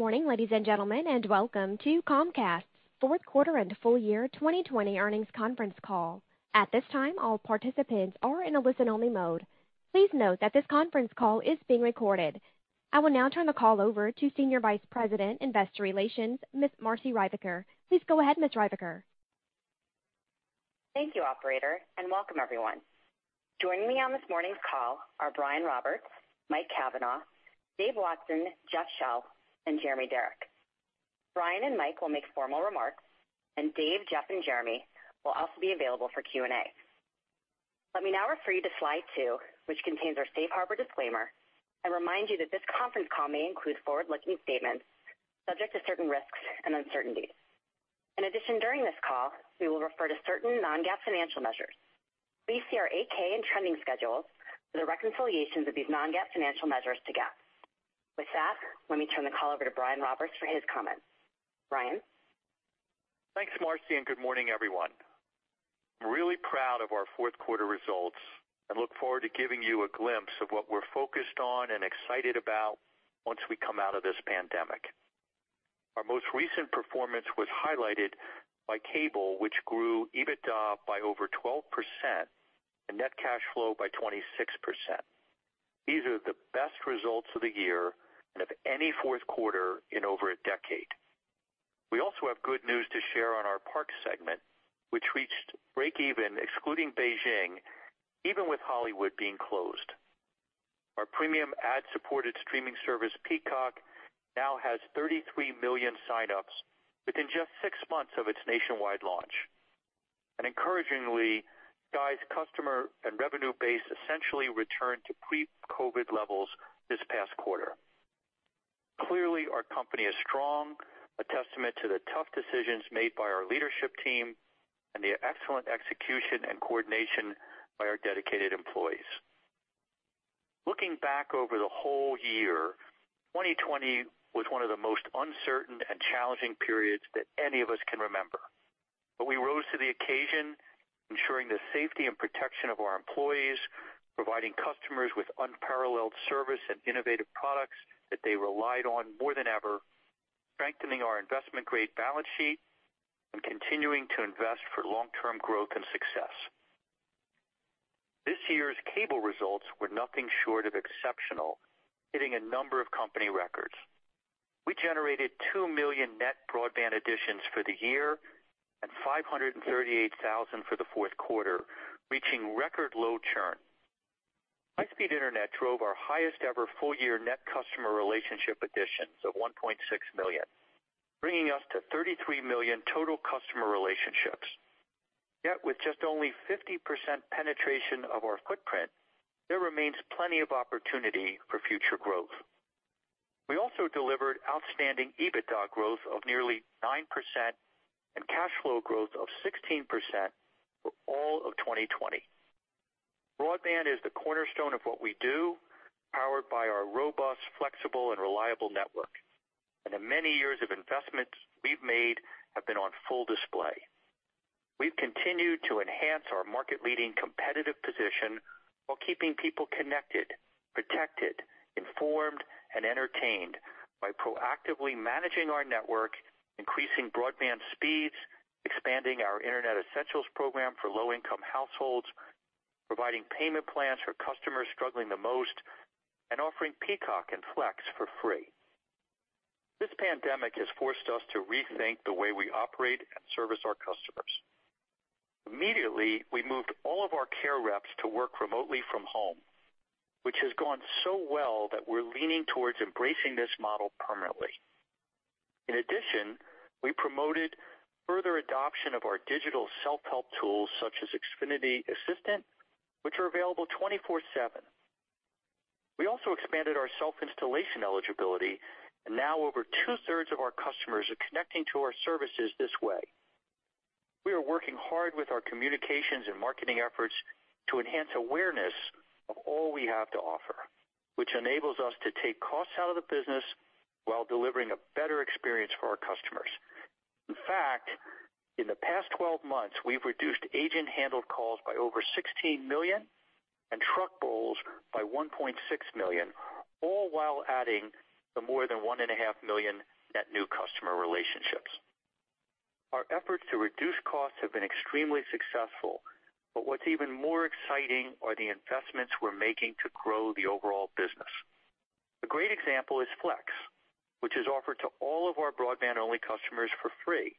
Good morning, ladies and gentlemen, and welcome to Comcast's Fourth Quarter and Full Year 2020 Earnings Conference Call. At this time, all participants are in a listen-only mode. Please note that this conference call is being recorded. I will now turn the call over to Senior Vice President, Investor Relations, Ms. Marci Ryvicker. Please go ahead, Ms. Ryvicker. Thank you, operator, and welcome everyone. Joining me on this morning's call are Brian Roberts, Mike Cavanagh, Dave Watson, Jeff Shell, and Jeremy Darroch. Brian and Mike will make formal remarks, and Dave, Jeff, and Jeremy will also be available for Q&A. Let me now refer you to slide two, which contains our safe harbor disclaimer, and remind you that this conference call may include forward-looking statements subject to certain risks and uncertainties. In addition, during this call, we will refer to certain non-GAAP financial measures. Please see our 8-K and trending schedules for the reconciliations of these non-GAAP financial measures to GAAP. With that, let me turn the call over to Brian Roberts for his comments. Brian? Thanks, Marci, good morning, everyone. I'm really proud of our fourth quarter results and look forward to giving you a glimpse of what we're focused on and excited about once we come out of this pandemic. Our most recent performance was highlighted by Cable, which grew EBITDA by over 12% and net cash flow by 26%. These are the best results of the year and of any fourth quarter in over a decade. We also have good news to share on our Parks segment, which reached break even, excluding Beijing, even with Hollywood being closed. Our premium ad-supported streaming service, Peacock, now has 33 million signups within just six months of its nationwide launch. Encouragingly, Sky's customer and revenue base essentially returned to pre-COVID levels this past quarter. Clearly, our company is strong, a testament to the tough decisions made by our leadership team and the excellent execution and coordination by our dedicated employees. Looking back over the whole year, 2020 was one of the most uncertain and challenging periods that any of us can remember. We rose to the occasion, ensuring the safety and protection of our employees, providing customers with unparalleled service and innovative products that they relied on more than ever, strengthening our investment-grade balance sheet, and continuing to invest for long-term growth and success. This year's cable results were nothing short of exceptional, hitting a number of company records. We generated two million net broadband additions for the year and 538,000 for the fourth quarter, reaching record low churn. High-speed internet drove our highest-ever full-year net customer relationship additions of 1.6 million, bringing us to 33 million total customer relationships. With just only 50% penetration of our footprint, there remains plenty of opportunity for future growth. We also delivered outstanding EBITDA growth of nearly 9% and cash flow growth of 16% for all of 2020. Broadband is the cornerstone of what we do, powered by our robust, flexible, and reliable network, and the many years of investments we've made have been on full display. We've continued to enhance our market-leading competitive position while keeping people connected, protected, informed, and entertained by proactively managing our network, increasing broadband speeds, expanding our Internet Essentials program for low-income households, providing payment plans for customers struggling the most, and offering Peacock and Flex for free. This pandemic has forced us to rethink the way we operate and service our customers. Immediately, we moved all of our care reps to work remotely from home, which has gone so well that we're leaning towards embracing this model permanently. In addition, we promoted further adoption of our digital self-help tools such as Xfinity Assistant, which are available 24/7. We also expanded our self-installation eligibility, and now over 2/3 of our customers are connecting to our services this way. We are working hard with our communications and marketing efforts to enhance awareness of all we have to offer, which enables us to take costs out of the business while delivering a better experience for our customers. In fact, in the past 12 months, we've reduced agent-handled calls by over 16 million and truck rolls by 1.6 million, all while adding the more than 1.5 million net new customer relationships. Our efforts to reduce costs have been extremely successful, what's even more exciting are the investments we're making to grow the overall business. A great example is Flex, which is offered to all of our broadband-only customers for free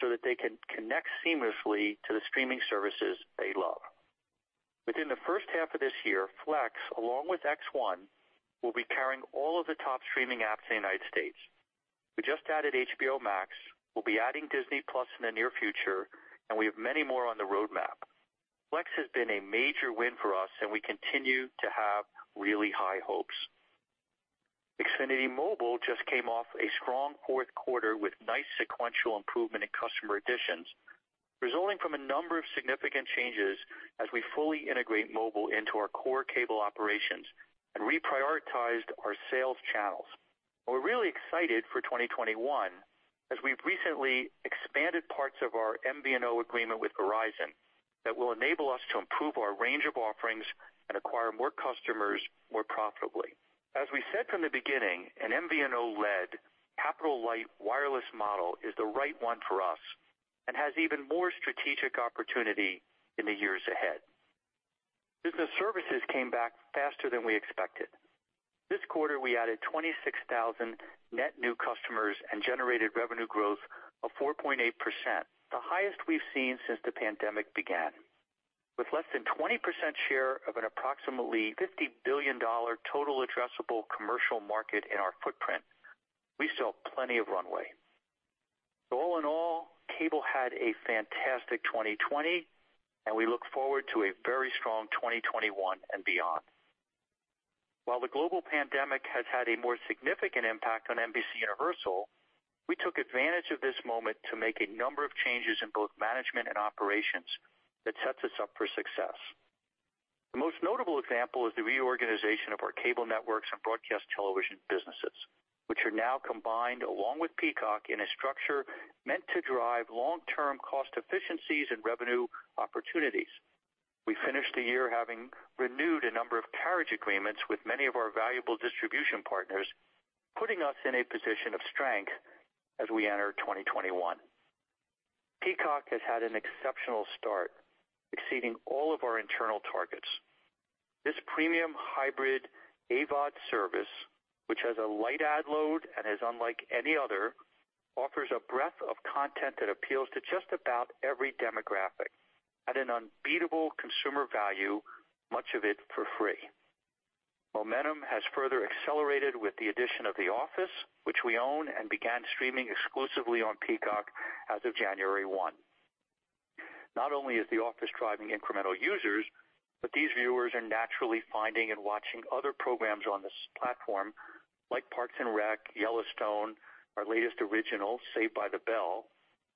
so that they can connect seamlessly to the streaming services they love. Within the first half of this year, Flex, along with X1, will be carrying all of the top streaming apps in the U.S. We just added HBO Max, we'll be adding Disney+ in the near future, and we have many more on the roadmap. Flex has been a major win for us, and we continue to have really high hopes. Xfinity Mobile just came off a strong fourth quarter with nice sequential improvement in customer additions, resulting from a number of significant changes as we fully integrate mobile into our core cable operations and reprioritized our sales channels. We're really excited for 2021 as we've recently expanded parts of our MVNO agreement with Verizon that will enable us to improve our range of offerings and acquire more customers more profitably. As we said from the beginning, an MVNO-led capital-light wireless model is the right one for us and has even more strategic opportunity in the years ahead. Business services came back faster than we expected. This quarter, we added 26,000 net new customers and generated revenue growth of 4.8%, the highest we've seen since the pandemic began. With less than 20% share of an approximately $50 billion total addressable commercial market in our footprint, we saw plenty of runway. All in all, cable had a fantastic 2020 and we look forward to a very strong 2021 and beyond. While the global pandemic has had a more significant impact on NBCUniversal, we took advantage of this moment to make a number of changes in both management and operations that sets us up for success. The most notable example is the reorganization of our cable networks and broadcast television businesses, which are now combined along with Peacock in a structure meant to drive long-term cost efficiencies and revenue opportunities. We finished the year having renewed a number of carriage agreements with many of our valuable distribution partners, putting us in a position of strength as we enter 2021. Peacock has had an exceptional start, exceeding all of our internal targets. This premium hybrid AVOD service, which has a light ad load and is unlike any other, offers a breadth of content that appeals to just about every demographic at an unbeatable consumer value, much of it for free. Momentum has further accelerated with the addition of "The Office," which we own and began streaming exclusively on Peacock as of January 1. Not only is "The Office" driving incremental users, but these viewers are naturally finding and watching other programs on this platform like "Parks and Rec," "Yellowstone," our latest original, "Saved by the Bell,"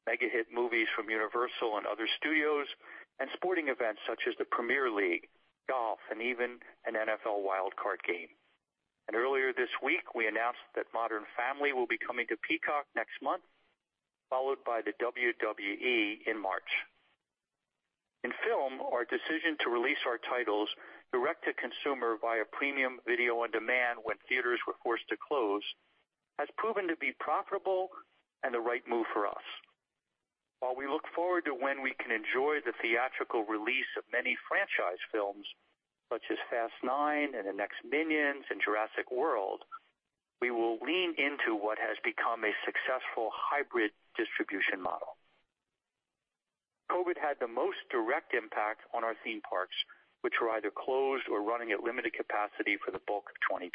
mega hit movies from Universal and other studios, and sporting events such as the Premier League, golf, and even an NFL Wild Card game. Earlier this week, we announced that "Modern Family" will be coming to Peacock next month, followed by the WWE in March. In film, our decision to release our titles direct to consumer via premium video-on-demand when theaters were forced to close has proven to be profitable and the right move for us. While we look forward to when we can enjoy the theatrical release of many franchise films such as F9 and the next Minions and Jurassic World, we will lean into what has become a successful hybrid distribution model. COVID had the most direct impact on our theme parks, which were either closed or running at limited capacity for the bulk of 2020.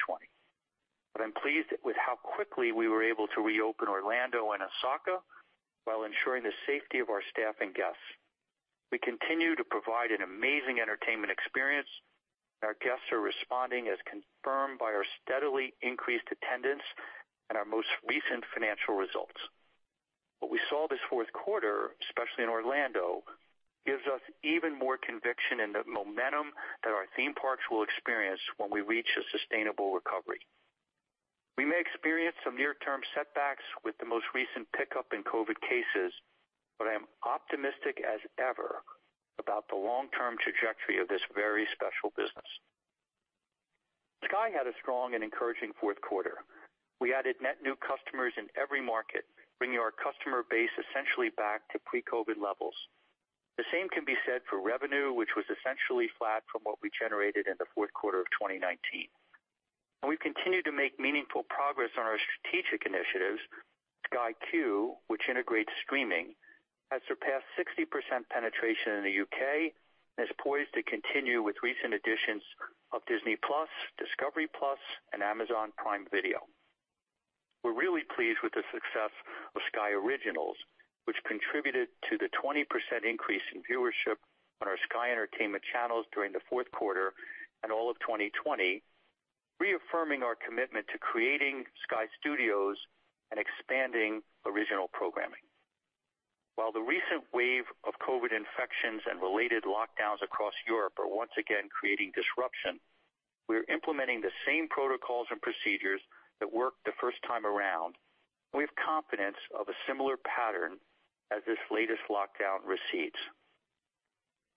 I'm pleased with how quickly we were able to reopen Orlando and Osaka while ensuring the safety of our staff and guests. We continue to provide an amazing entertainment experience. Our guests are responding, as confirmed by our steadily increased attendance and our most recent financial results. What we saw this fourth quarter, especially in Orlando, gives us even more conviction in the momentum that our theme parks will experience when we reach a sustainable recovery. We may experience some near-term setbacks with the most recent pickup in COVID cases, but I am optimistic as ever about the long-term trajectory of this very special business. Sky had a strong and encouraging fourth quarter. We added net new customers in every market, bringing our customer base essentially back to pre-COVID levels. The same can be said for revenue, which was essentially flat from what we generated in the fourth quarter of 2019. We've continued to make meaningful progress on our strategic initiatives. Sky Q, which integrates streaming, has surpassed 60% penetration in the U.K. and is poised to continue with recent additions of Disney+, discovery+, and Amazon Prime Video. We're really pleased with the success of Sky Originals, which contributed to the 20% increase in viewership on our Sky entertainment channels during the fourth quarter and all of 2020, reaffirming our commitment to creating Sky Studios and expanding original programming. While the recent wave of COVID infections and related lockdowns across Europe are once again creating disruption, we are implementing the same protocols and procedures that worked the first time around. We have confidence of a similar pattern as this latest lockdown recedes.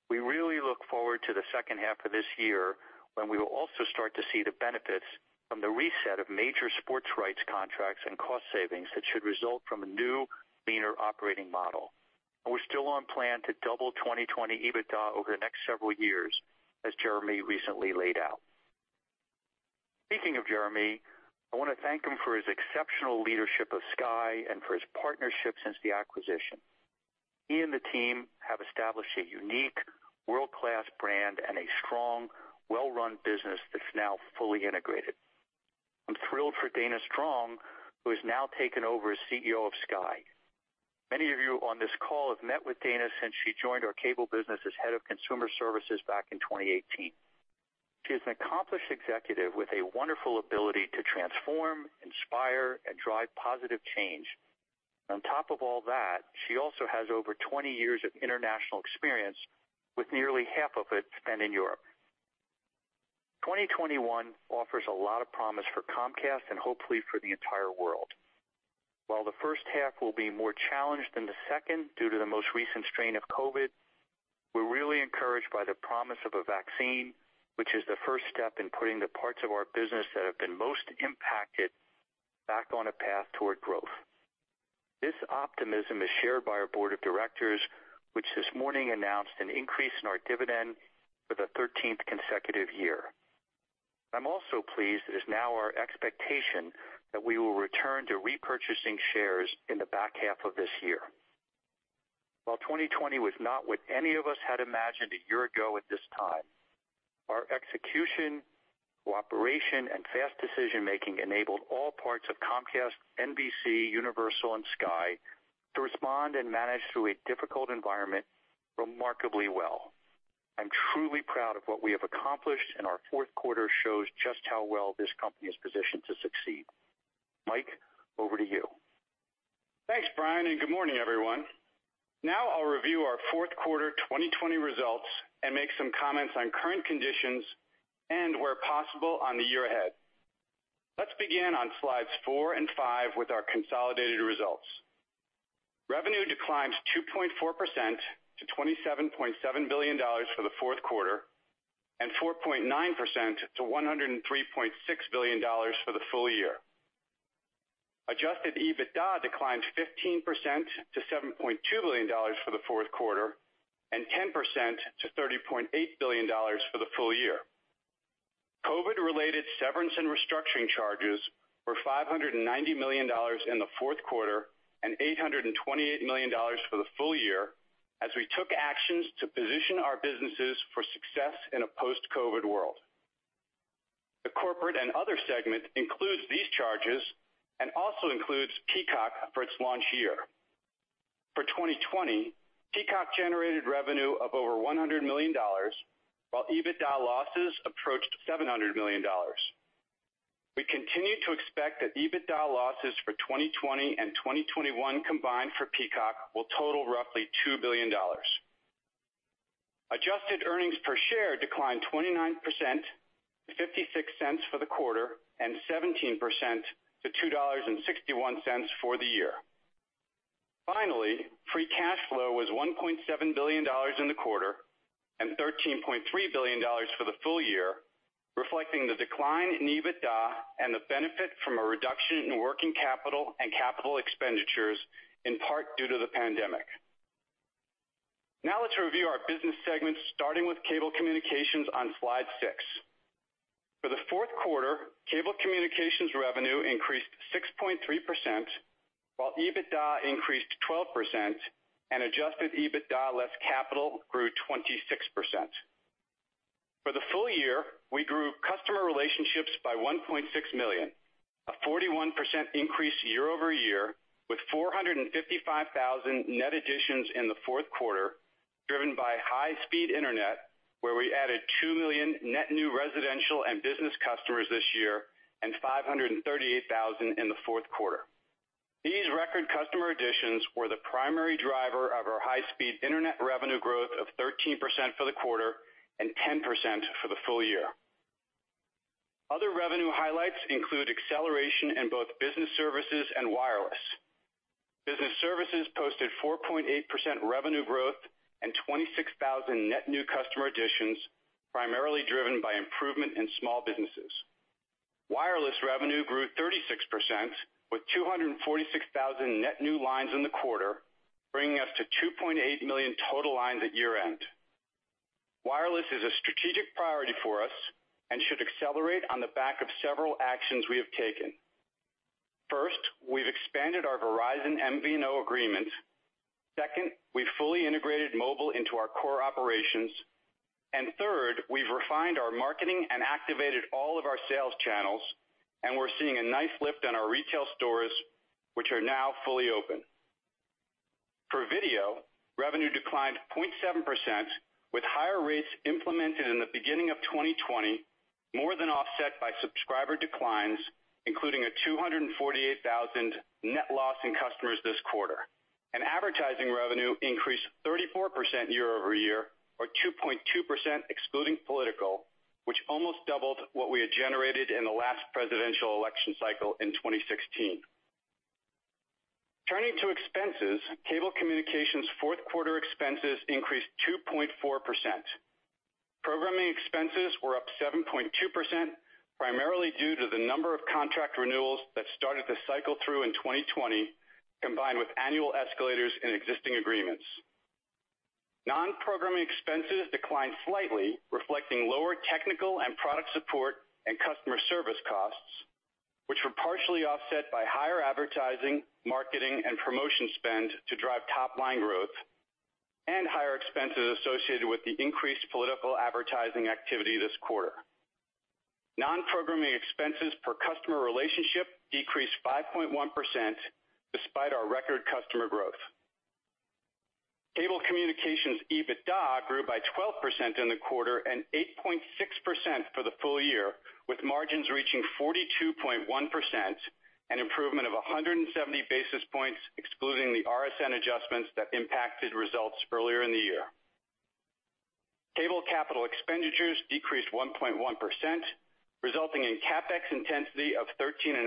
We really look forward to the second half of this year when we will also start to see the benefits from the reset of major sports rights contracts and cost savings that should result from a new, leaner operating model. We're still on plan to double 2020 EBITDA over the next several years, as Jeremy recently laid out. Speaking of Jeremy, I want to thank him for his exceptional leadership of Sky and for his partnership since the acquisition. He and the team have established a unique world-class brand and a strong, well-run business that's now fully integrated. I'm thrilled for Dana Strong, who has now taken over as CEO of Sky. Many of you on this call have met with Dana since she joined our Cable Communications business as head of consumer services back in 2018. She is an accomplished executive with a wonderful ability to transform, inspire, and drive positive change. On top of all that, she also has over 20 years of international experience with nearly half of it spent in Europe. 2021 offers a lot of promise for Comcast and hopefully for the entire world. While the first half will be more challenged than the second due to the most recent strain of COVID, we're really encouraged by the promise of a vaccine, which is the first step in putting the parts of our business that have been most impacted back on a path toward growth. This optimism is shared by our board of directors, which this morning announced an increase in our dividend for the 13th consecutive year. I'm also pleased that it is now our expectation that we will return to repurchasing shares in the back half of this year. While 2020 was not what any of us had imagined a year ago at this time, our execution, cooperation, and fast decision-making enabled all parts of Comcast, NBCUniversal, and Sky to respond and manage through a difficult environment remarkably well. I'm truly proud of what we have accomplished, and our fourth quarter shows just how well this company is positioned to succeed. Mike, over to you. Thanks, Brian. Good morning, everyone. Now I'll review our fourth quarter 2020 results and make some comments on current conditions and where possible on the year ahead. Let's begin on slides four and five with our consolidated results. Revenue declined 2.4% to $27.7 billion for the fourth quarter and 4.9% to $103.6 billion for the full year. Adjusted EBITDA declined 15% to $7.2 billion for the fourth quarter and 10% to $30.8 billion for the full year. COVID-related severance and restructuring charges were $590 million in the fourth quarter and $828 million for the full year as we took actions to position our businesses for success in a post-COVID world. The corporate and other segment includes these charges and also includes Peacock for its launch year. For 2020, Peacock generated revenue of over $100 million, while EBITDA losses approached $700 million. We continue to expect that EBITDA losses for 2020 and 2021 combined for Peacock will total roughly $2 billion. Adjusted earnings per share declined 29% to $0.56 for the quarter and 17% to $2.61 for the year. Finally, free cash flow was $1.7 billion in the quarter and $13.3 billion for the full year, reflecting the decline in EBITDA and the benefit from a reduction in working capital and capital expenditures, in part due to the pandemic. Now let's review our business segments, starting with Cable Communications on slide six. For the fourth quarter, Cable Communications revenue increased 6.3%, while EBITDA increased 12% and adjusted EBITDA less capital grew 26%. For the full year, we grew customer relationships by 1.6 million, a 41% increase year-over-year, with 455,000 net additions in the fourth quarter, driven by high-speed internet, where we added two million net new residential and business customers this year and 538,000 in the fourth quarter. These record customer additions were the primary driver of our high-speed internet revenue growth of 13% for the quarter and 10% for the full year. Other revenue highlights include acceleration in both Business services and Wireless. Business services posted 4.8% revenue growth and 26,000 net new customer additions, primarily driven by improvement in small businesses. Wireless revenue grew 36%, with 246,000 net new lines in the quarter, bringing us to 2.8 million total lines at year-end. Wireless is a strategic priority for us and should accelerate on the back of several actions we have taken. First, we've expanded our Verizon MVNO agreement. Second, we fully integrated mobile into our core operations. Third, we've refined our marketing and activated all of our sales channels, and we're seeing a nice lift on our retail stores, which are now fully open. For video, revenue declined 0.7%, with higher rates implemented in the beginning of 2020, more than offset by subscriber declines, including a 248,000 net loss in customers this quarter. Advertising revenue increased 34% year-over-year or 2.2% excluding political, which almost doubled what we had generated in the last presidential election cycle in 2016. Turning to expenses, Cable Communications fourth quarter expenses increased 2.4%. Programming expenses were up 7.2%, primarily due to the number of contract renewals that started to cycle through in 2020, combined with annual escalators in existing agreements. Non-programming expenses declined slightly, reflecting lower technical and product support and customer service costs, which were partially offset by higher advertising, marketing, and promotion spend to drive top-line growth and higher expenses associated with the increased political advertising activity this quarter. Non-programming expenses per customer relationship decreased 5.1% despite our record customer growth. Cable Communications EBITDA grew by 12% in the quarter and 8.6% for the full year, with margins reaching 42.1%, an improvement of 170 basis points excluding the RSN adjustments that impacted results earlier in the year. Cable capital expenditures decreased 1.1%, resulting in CapEx intensity of 13.5%.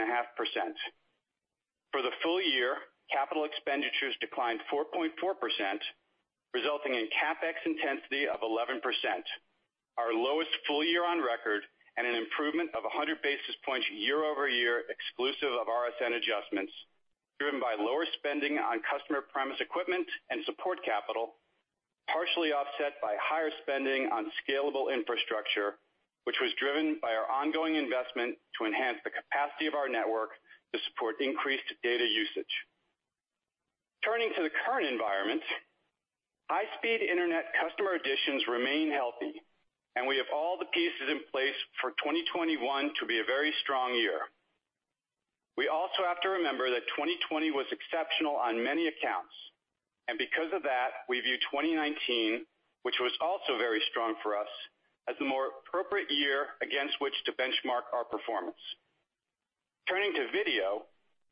For the full year, capital expenditures declined 4.4%, resulting in CapEx intensity of 11%, our lowest full year on record and an improvement of 100 basis points year-over-year exclusive of RSN adjustments, driven by lower spending on customer premise equipment and support capital, partially offset by higher spending on scalable infrastructure, which was driven by our ongoing investment to enhance the capacity of our network to support increased data usage. Turning to the current environment, high-speed internet customer additions remain healthy, and we have all the pieces in place for 2021 to be a very strong year. We also have to remember that 2020 was exceptional on many accounts, and because of that, we view 2019, which was also very strong for us, as the more appropriate year against which to benchmark our performance. Turning to video,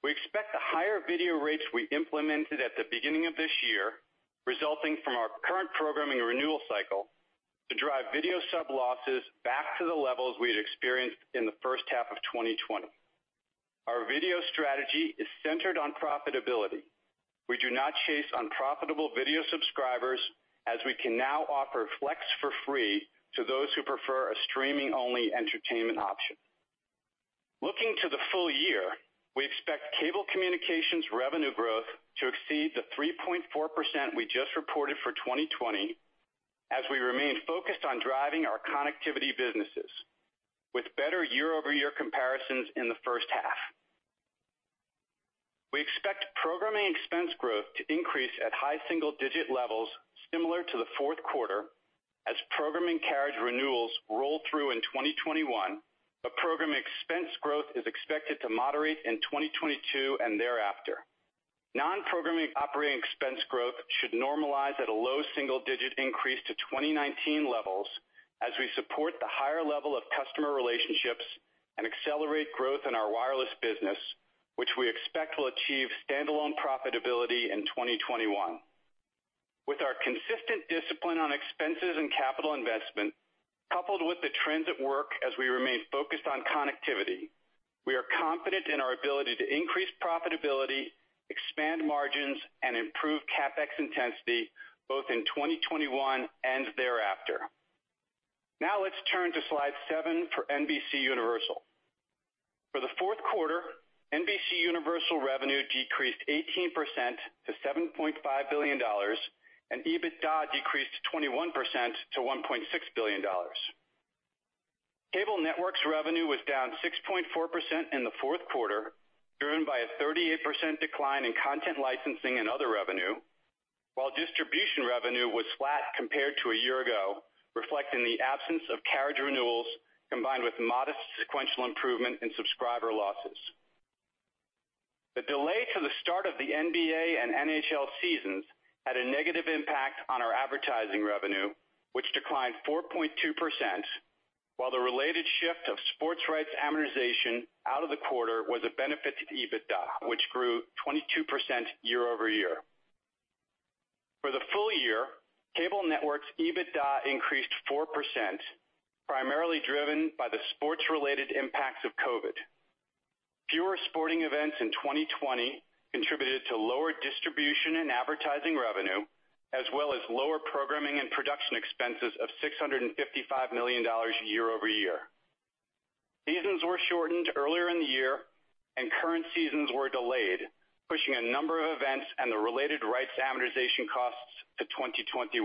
we expect the higher video rates we implemented at the beginning of this year, resulting from our current programming renewal cycle, to drive video sub losses back to the levels we had experienced in the first half of 2020. Our video strategy is centered on profitability. We do not chase unprofitable video subscribers, as we can now offer Flex for free to those who prefer a streaming-only entertainment option. Looking to the full year, we expect Cable Communications revenue growth to exceed the 3.4% we just reported for 2020, as we remain focused on driving our connectivity businesses with better year-over-year comparisons in the first half. We expect programming expense growth to increase at high single-digit levels similar to the fourth quarter as programming carriage renewals roll through in 2021, but programming expense growth is expected to moderate in 2022 and thereafter. Non-programming operating expense growth should normalize at a low single-digit increase to 2019 levels as we support the higher level of customer relationships and accelerate growth in our wireless business, which we expect will achieve standalone profitability in 2021. With our consistent discipline on expenses and capital investment, coupled with the trends at work as we remain focused on connectivity, we are confident in our ability to increase profitability, expand margins, and improve CapEx intensity both in 2021 and thereafter. Now let's turn to slide seven for NBCUniversal. For the fourth quarter, NBCUniversal revenue decreased 18% to $7.5 billion, and EBITDA decreased 21% to $1.6 billion. Cable networks revenue was down 6.4% in the fourth quarter, driven by a 38% decline in content licensing and other revenue, while distribution revenue was flat compared to a year ago, reflecting the absence of carriage renewals combined with modest sequential improvement in subscriber losses. The delay to the start of the NBA and NHL seasons had a negative impact on our advertising revenue, which declined 4.2%, while the related shift of sports rights amortization out of the quarter was a benefit to EBITDA, which grew 22% year-over-year. For the full year, cable networks' EBITDA increased 4%, primarily driven by the sports-related impacts of COVID. Fewer sporting events in 2020 contributed to lower distribution and advertising revenue, as well as lower programming and production expenses of $655 million year-over-year. Seasons were shortened earlier in the year and current seasons were delayed, pushing a number of events and the related rights amortization costs to 2021.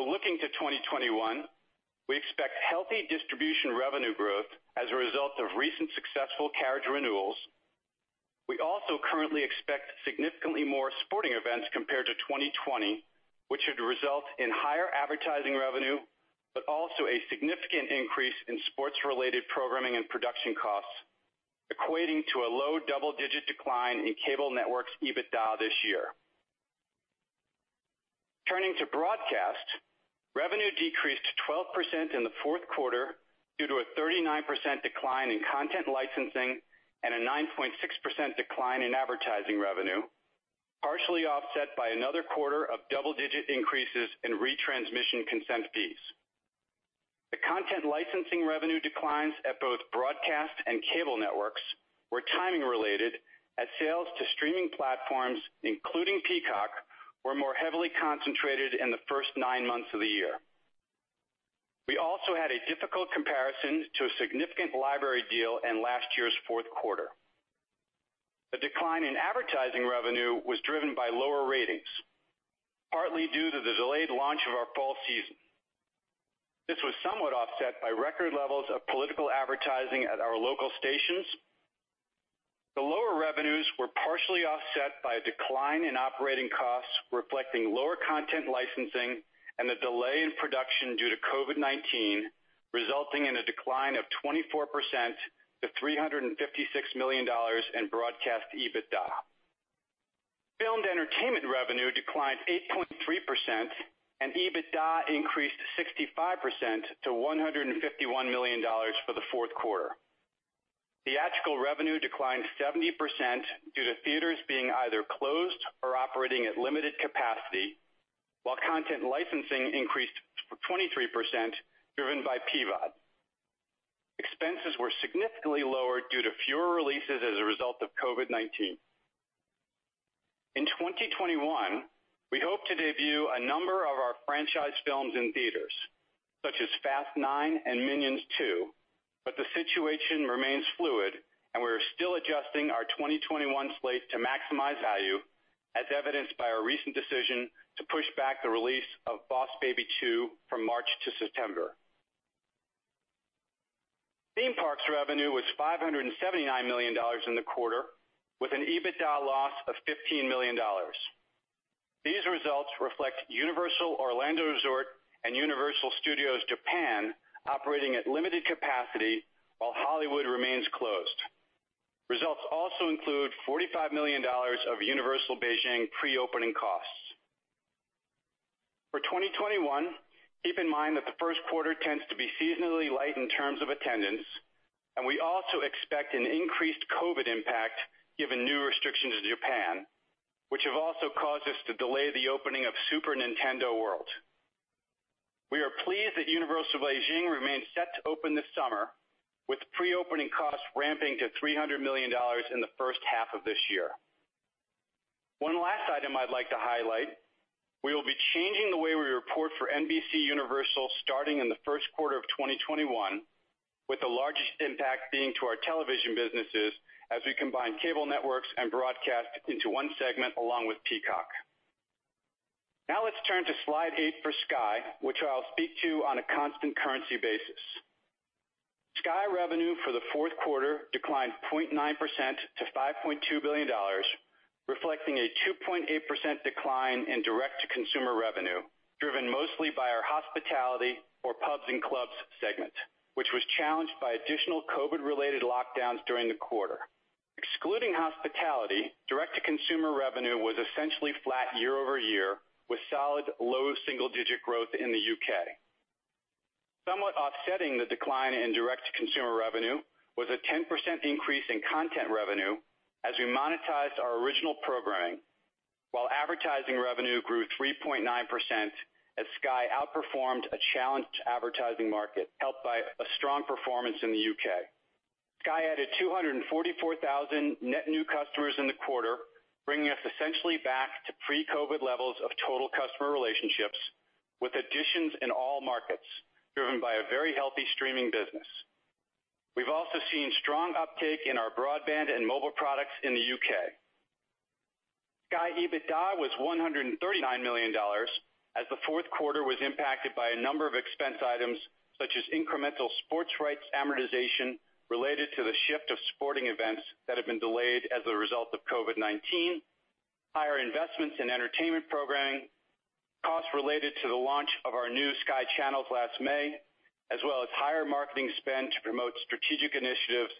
Looking to 2021, we expect healthy distribution revenue growth as a result of recent successful carriage renewals. We also currently expect significantly more sporting events compared to 2020, which should result in higher advertising revenue, but also a significant increase in sports-related programming and production costs, equating to a low double-digit decline in Cable Networks EBITDA this year. Turning to broadcast, revenue decreased 12% in the fourth quarter due to a 39% decline in content licensing and a 9.6% decline in advertising revenue, partially offset by another quarter of double-digit increases in retransmission consent fees. The content licensing revenue declines at both broadcast and cable networks were timing related as sales to streaming platforms, including Peacock, were more heavily concentrated in the first nine months of the year. We also had a difficult comparison to a significant library deal in last year's fourth quarter. The decline in advertising revenue was driven by lower ratings, partly due to the delayed launch of our fall season. This was somewhat offset by record levels of political advertising at our local stations. The lower revenues were partially offset by a decline in operating costs reflecting lower content licensing and the delay in production due to COVID-19, resulting in a decline of 24% to $356 million in broadcast EBITDA. Filmed entertainment revenue declined 8.3%, and EBITDA increased 65% to $151 million for the fourth quarter. Theatrical revenue declined 70% due to theaters being either closed or operating at limited capacity, while content licensing increased 23%, driven by PVOD. Expenses were significantly lower due to fewer releases as a result of COVID-19. In 2021, we hope to debut a number of our franchise films in theaters, such as F9 and Minions 2, but the situation remains fluid, and we're still adjusting our 2021 slate to maximize value, as evidenced by our recent decision to push back the release of Boss Baby 2 from March to September. Theme parks revenue was $579 million in the quarter, with an EBITDA loss of $15 million. These results reflect Universal Orlando Resort and Universal Studios Japan operating at limited capacity, while Hollywood remains closed. Results also include $45 million of Universal Beijing pre-opening costs. For 2021, keep in mind that the first quarter tends to be seasonally light in terms of attendance, and we also expect an increased COVID impact given new restrictions in Japan, which have also caused us to delay the opening of Super Nintendo World. We are pleased that Universal Beijing remains set to open this summer, with pre-opening costs ramping to $300 million in the first half of this year. One last item I'd like to highlight. We will be changing the way we report for NBCUniversal starting in the first quarter of 2021, with the largest impact being to our television businesses as we combine cable networks and broadcast into one segment along with Peacock. Let's turn to slide eight for Sky, which I'll speak to on a constant currency basis. Sky revenue for the fourth quarter declined 0.9% to $5.2 billion, reflecting a 2.8% decline in direct-to-consumer revenue, driven mostly by our hospitality or pubs and clubs segment, which was challenged by additional COVID-related lockdowns during the quarter. Excluding hospitality, direct-to-consumer revenue was essentially flat year-over-year, with solid low single-digit growth in the U.K. Somewhat offsetting the decline in direct-to-consumer revenue was a 10% increase in content revenue as we monetized our original programming, while advertising revenue grew 3.9% as Sky outperformed a challenged advertising market helped by a strong performance in the U.K. Sky added 244,000 net new customers in the quarter, bringing us essentially back to pre-COVID levels of total customer relationships, with additions in all markets driven by a very healthy streaming business. We've also seen strong uptake in our broadband and mobile products in the U.K. Sky EBITDA was $139 million, as the fourth quarter was impacted by a number of expense items such as incremental sports rights amortization related to the shift of sporting events that have been delayed as a result of COVID-19, higher investments in entertainment programming, costs related to the launch of our new Sky channels last May, as well as higher marketing spend to promote strategic initiatives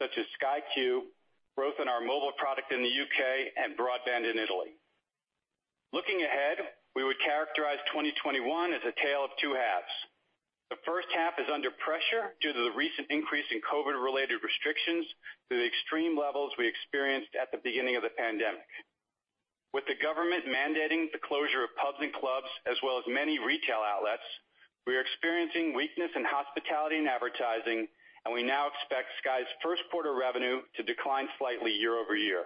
such as Sky Q, growth in our mobile product in the U.K., and broadband in Italy. Looking ahead, we would characterize 2021 as a tale of two halves. The first half is under pressure due to the recent increase in COVID-related restrictions to the extreme levels we experienced at the beginning of the pandemic. With the government mandating the closure of pubs and clubs as well as many retail outlets, we are experiencing weakness in hospitality and advertising. We now expect Sky's first quarter revenue to decline slightly year-over-year.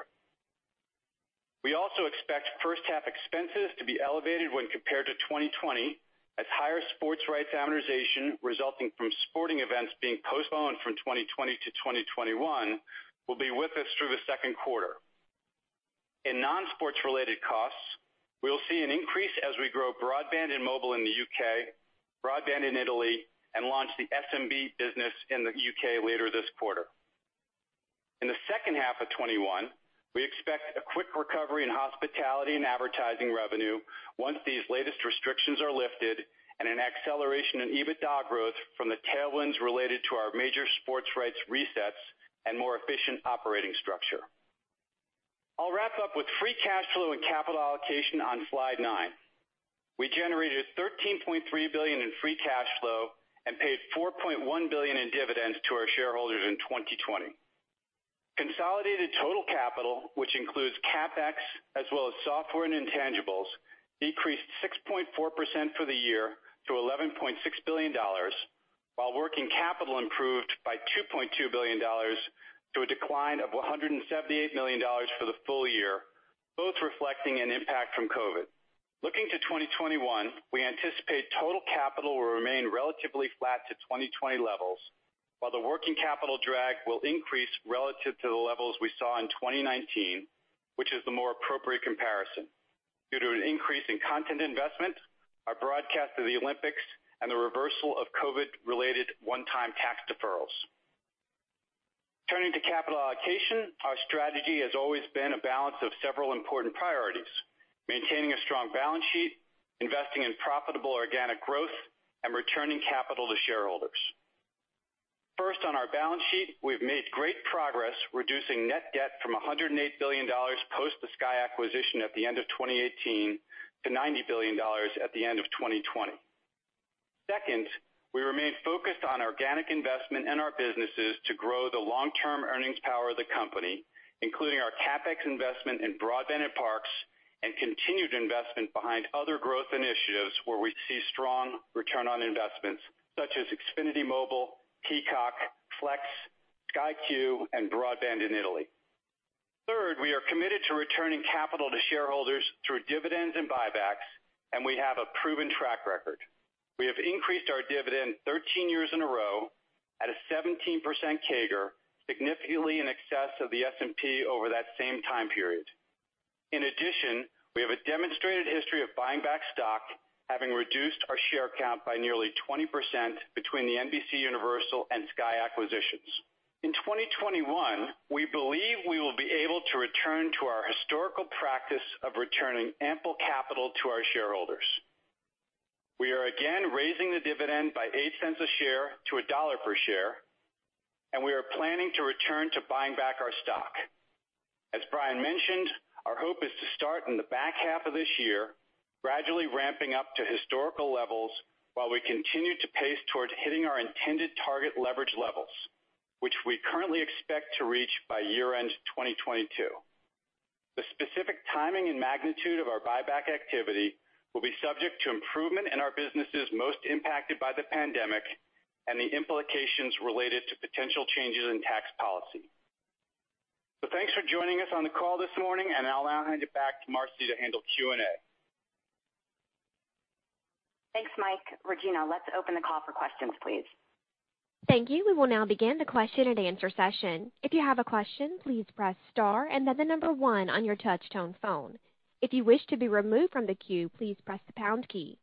We also expect first half expenses to be elevated when compared to 2020, as higher sports rights amortization resulting from sporting events being postponed from 2020 to 2021 will be with us through the second quarter. In non-sports related costs, we will see an increase as we grow broadband and mobile in the U.K., broadband in Italy, and launch the SMB business in the U.K. later this quarter. In the second half of 2021, we expect a quick recovery in hospitality and advertising revenue once these latest restrictions are lifted and an acceleration in EBITDA growth from the tailwinds related to our major sports rights' resets and more efficient operating structure. I'll wrap up with free cash flow and capital allocation on slide nine. We generated $13.3 billion in free cash flow and paid $4.1 billion in dividends to our shareholders in 2020. Consolidated total capital, which includes CapEx as well as software and intangibles, decreased 6.4% for the year to $11.6 billion, while working capital improved by $2.2 billion to a decline of $178 million for the full year, both reflecting an impact from COVID. Looking to 2021, we anticipate total capital will remain relatively flat to 2020 levels, while the working capital drag will increase relative to the levels we saw in 2019, which is the more appropriate comparison due to an increase in content investment, our broadcast of the Olympics, and the reversal of COVID-related 1x tax deferrals. Turning to capital allocation, our strategy has always been a balance of several important priorities: maintaining a strong balance sheet, investing in profitable organic growth, and returning capital to shareholders. First, on our balance sheet, we've made great progress reducing net debt from $108 billion post the Sky acquisition at the end of 2018 to $90 billion at the end of 2020. Second, we remain focused on organic investment in our businesses to grow the long-term earnings power of the company, including our CapEx investment in broadband and parks, and continued investment behind other growth initiatives where we see strong return on investments such as Xfinity Mobile, Peacock, Flex, Sky Q, and broadband in Italy. Third, we are committed to returning capital to shareholders through dividends and buybacks, and we have a proven track record. We have increased our dividend 13 years in a row at a 17% CAGR, significantly in excess of the S&P over that same time period. In addition, we have a demonstrated history of buying back stock, having reduced our share count by nearly 20% between the NBCUniversal and Sky acquisitions. In 2021, we believe we will be able to return to our historical practice of returning ample capital to our shareholders. We are again raising the dividend by $0.08 a share to $1 per share. We are planning to return to buying back our stock. As Brian mentioned, our hope is to start in the back half of this year, gradually ramping up to historical levels while we continue to pace towards hitting our intended target leverage levels, which we currently expect to reach by year-end 2022. The specific timing and magnitude of our buyback activity will be subject to improvement in our businesses most impacted by the pandemic and the implications related to potential changes in tax policy. Thanks for joining us on the call this morning, I'll now hand it back to Marci to handle Q&A. Thanks, Mike. Regina, let's open the call for questions, please. Thank you. We will now begin the question-and-answer session. If you have a question, please press star and then the number one on your touchtone phone. If you wish to be removed from the queue, please press the pound key.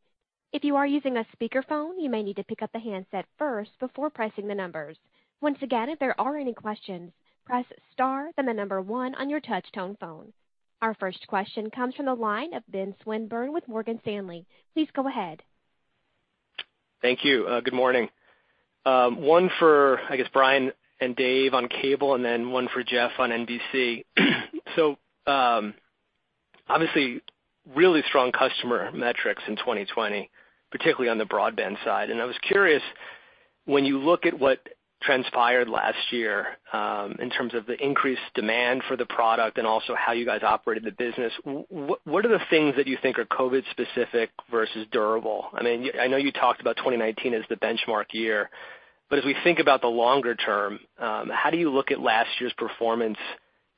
If you are using a speakerphone, you may need to pick up the handset first before pressing the numbers. Once again, if there are any questions, press star and then the number one on your touchtone phone. Our first question comes from the line of Ben Swinburne with Morgan Stanley. Please go ahead. Thank you. Good morning. One for, I guess, Brian and Dave on cable, and then one for Jeff on NBCUniversal. Obviously, really strong customer metrics in 2020, particularly on the broadband side. I was curious, when you look at what transpired last year in terms of the increased demand for the product and also how you guys operated the business, what are the things that you think are COVID specific versus durable? I know you talked about 2019 as the benchmark year, but as we think about the longer term, how do you look at last year's performance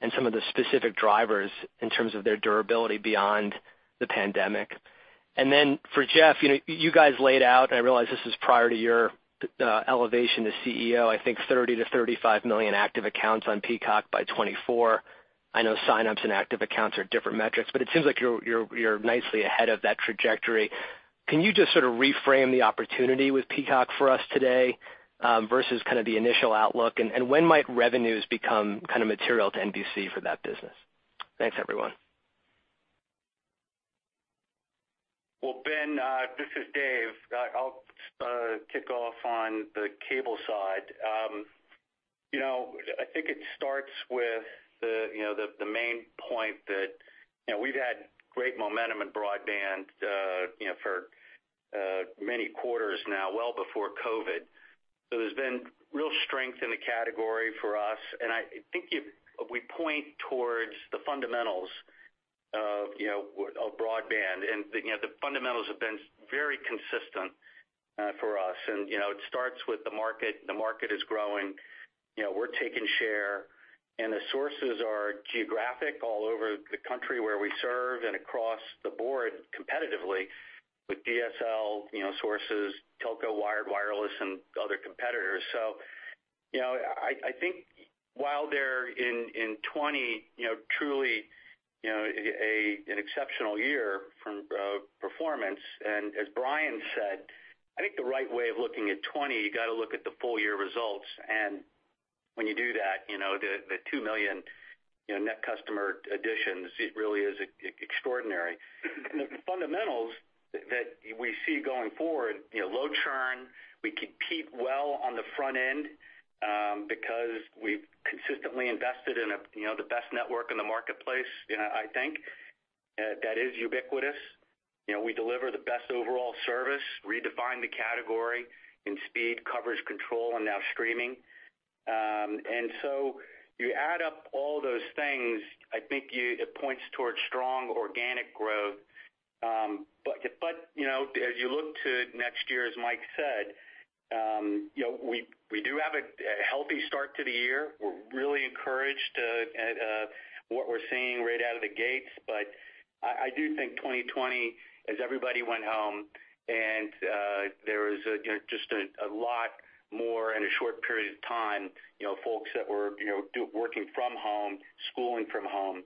and some of the specific drivers in terms of their durability beyond the pandemic? For Jeff, you guys laid out, and I realize this is prior to your elevation to CEO, I think 30 million-35 million active accounts on Peacock by 2024. I know sign-ups and active accounts are different metrics, but it seems like you're nicely ahead of that trajectory. Can you just sort of reframe the opportunity with Peacock for us today versus the initial outlook, and when might revenues become material to NBC for that business? Thanks, everyone. Well, Ben, this is Dave. I'll kick off on the cable side. I think it starts with the main point that we've had great momentum in broadband for many quarters now, well before COVID. There's been real strength in the category for us, and I think if we point towards the fundamentals of broadband and the fundamentals have been very consistent for us. It starts with the market. The market is growing. We're taking share, and the sources are geographic all over the country where we serve and across the board competitively with DSL sources, telco, wired, wireless, and other competitors. I think while they're in 2020, truly an exceptional year from performance. As Brian said, I think the right way of looking at 2020, you got to look at the full-year results. When you do that, the two million net customer additions, it really is extraordinary. The fundamentals that we see going forward, low churn, we compete well on the front end because we've consistently invested in the best network in the marketplace, I think, that is ubiquitous. We deliver the best overall service, redefine the category in speed, coverage, control, and now streaming. So you add up all those things, I think it points towards strong organic growth. As you look to next year, as Mike said, we do have a healthy start to the year. We're really encouraged at what we're seeing right out of the gates. I do think 2020, as everybody went home and there was just a lot more in a short period of time, folks that were working from home, schooling from home.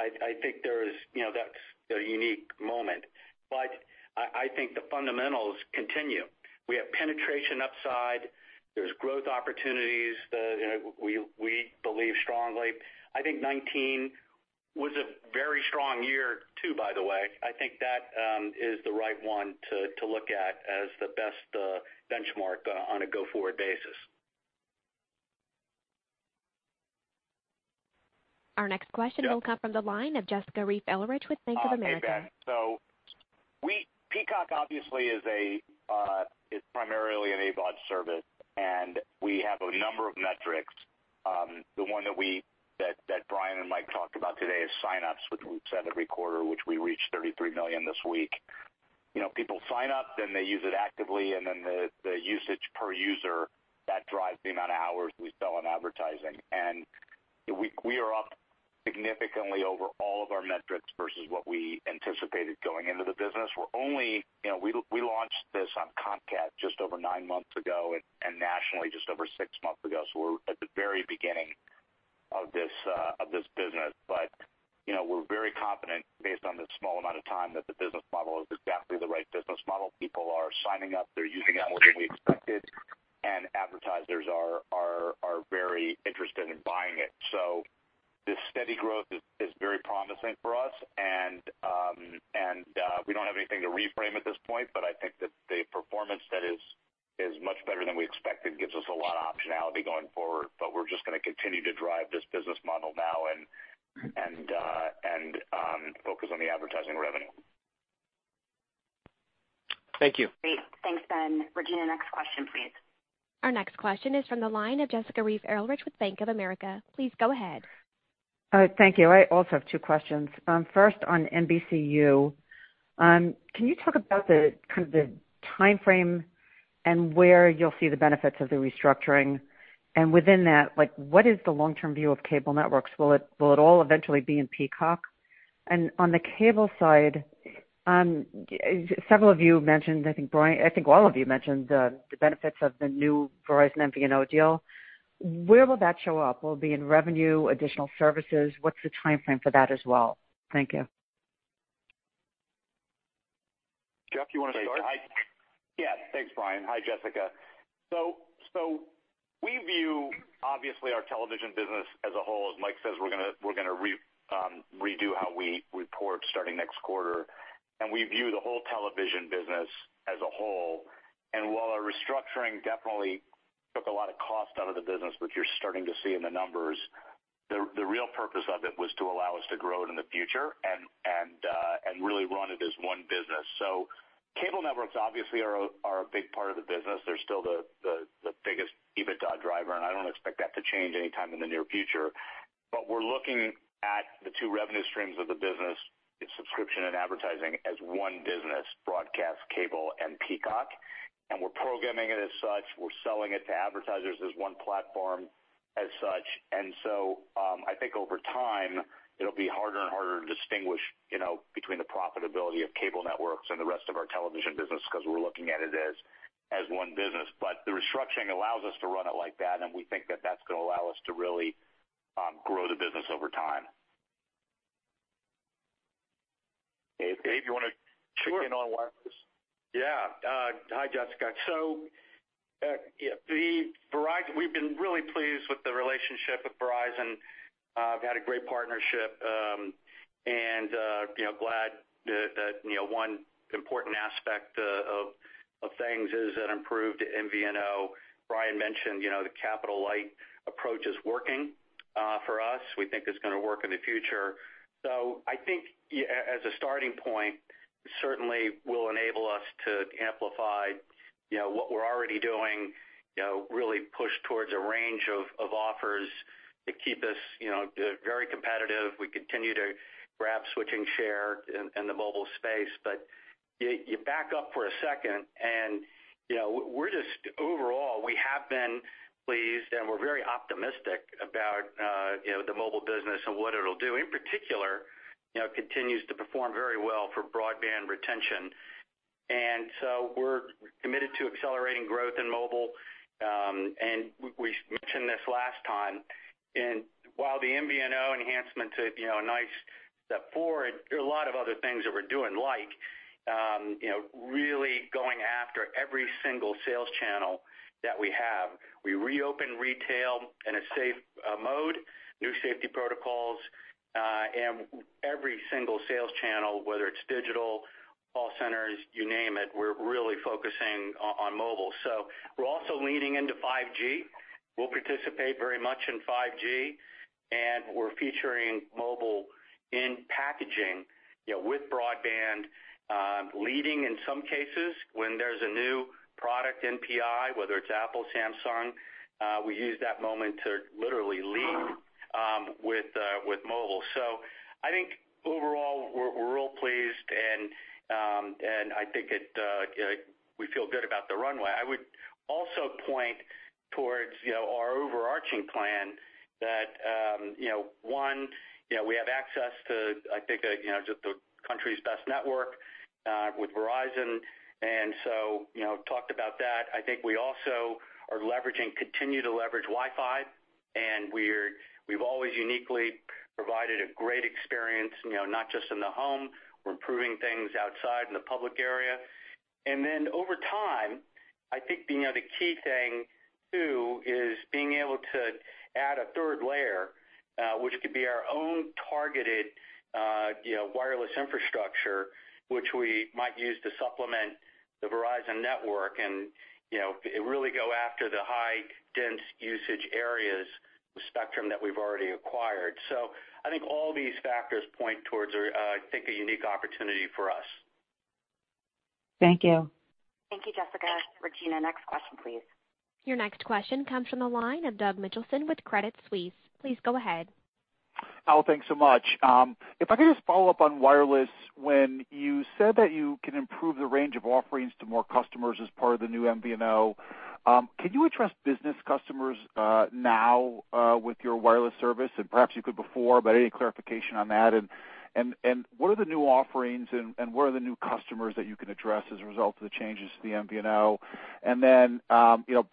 I think that's a unique moment, but I think the fundamentals continue. We have penetration upside. There's growth opportunities that we believe strongly. I think 2019 Was a very strong year too, by the way. I think that is the right one to look at as the best benchmark on a go-forward basis. Our next question will come from the line of Jessica Reif Ehrlich with Bank of America. Hi, Ben. Peacock obviously is primarily an AVOD service, and we have a number of metrics. The one that Brian and Mike talked about today is signups, which we said every quarter, which we reached 33 million this week. People sign up, then they use it actively, and then the usage per user, that drives the amount of hours we sell in advertising. We are up significantly over all of our metrics versus what we anticipated going into the business. We launched this on Comcast just over nine months ago and nationally just over six months ago. We're at the very beginning of this business. We're very confident based on the small amount of time that the business model is exactly the right business model. People are signing up. They're using it more than we expected, and advertisers are very interested in buying it. This steady growth is very promising for us, and we don't have anything to reframe at this point, but I think that the performance that is much better than we expected gives us a lot of optionality going forward. We're just going to continue to drive this business model now and focus on the advertising revenue. Thank you. Great. Thanks, Ben. Regina, next question, please. Our next question is from the line of Jessica Reif Ehrlich with Bank of America. Please go ahead. Thank you. I also have two questions. First, on NBCU, can you talk about the timeframe and where you'll see the benefits of the restructuring? Within that, what is the long-term view of cable networks? Will it all eventually be in Peacock? On the cable side, several of you mentioned, I think all of you mentioned the benefits of the new Verizon MVNO deal. Where will that show up? Will it be in revenue, additional services? What's the timeframe for that as well? Thank you. Jeff, you want to start? Yes. Thanks, Brian. Hi, Jessica. We view, obviously, our television business as a whole. As Mike says, we're going to redo how we report starting next quarter, and we view the whole television business as a whole. While our restructuring definitely took a lot of cost out of the business, which you're starting to see in the numbers, the real purpose of it was to allow us to grow it in the future and really run it as one business. Cable networks obviously are a big part of the business. They're still the biggest EBITDA driver, and I don't expect that to change anytime in the near future. We're looking at the two revenue streams of the business, subscription and advertising, as one business, broadcast cable and Peacock. We're programming it as such. We're selling it to advertisers as one platform as such. I think over time, it'll be harder and harder to distinguish between the profitability of cable networks and the rest of our television business because we're looking at it as one business. The restructuring allows us to run it like that, and we think that that's going to allow us to really grow the business over time. Dave, do you want to chime in on wireless? Sure. Yeah. Hi, Jessica. We've been really pleased with the relationship with Verizon. We've had a great partnership, and glad that one important aspect of things is an improved MVNO. Brian mentioned the capital-light approach is working for us. We think it's going to work in the future. I think as a starting point, certainly will enable us to amplify what we're already doing, really push towards a range of offers to keep us very competitive. We continue to grab switching share in the mobile space. You back up for a second, and overall, we have been pleased, and we're very optimistic about the mobile business and what it'll do. In particular, continues to perform very well for broadband retention. We're committed to accelerating growth in mobile. We mentioned this last time. While the MVNO enhancement is a nice step forward, there are a lot of other things that we're doing, like really going after every single sales channel that we have. We reopened retail in a safe mode, new safety protocols, and every single sales channel, whether it's digital, call centers, you name it, we're really focusing on mobile. We're also leaning into 5G. We'll participate very much in 5G, and we're featuring mobile in packaging with broadband, leading in some cases when there's a new product NPI, whether it's Apple, Samsung, we use that moment to literally lead with mobile. I think overall, we're real pleased, and I think we feel good about the runway. I would also point towards our overarching plan that one, we have access to, I think, the country's best network with Verizon. We talked about that. I think we also continue to leverage Wi-Fi, and we've always uniquely provided a great experience not just in the home. We're improving things outside in the public area. Over time, I think the key thing, too, is being able to add a third layer, our own targeted wireless infrastructure, which we might use to supplement the Verizon network and really go after the high dense usage areas with spectrum that we've already acquired. I think all these factors point towards, I think, a unique opportunity for us. Thank you. Thank you, Jessica. Regina, next question, please. Your next question comes from the line of Doug Mitchelson with Credit Suisse. Please go ahead. [Al], thanks so much. If I could just follow up on wireless, when you said that you can improve the range of offerings to more customers as part of the new MVNO, can you address business customers now with your wireless service? Perhaps you could before, but any clarification on that, what are the new offerings and what are the new customers that you can address as a result of the changes to the MVNO?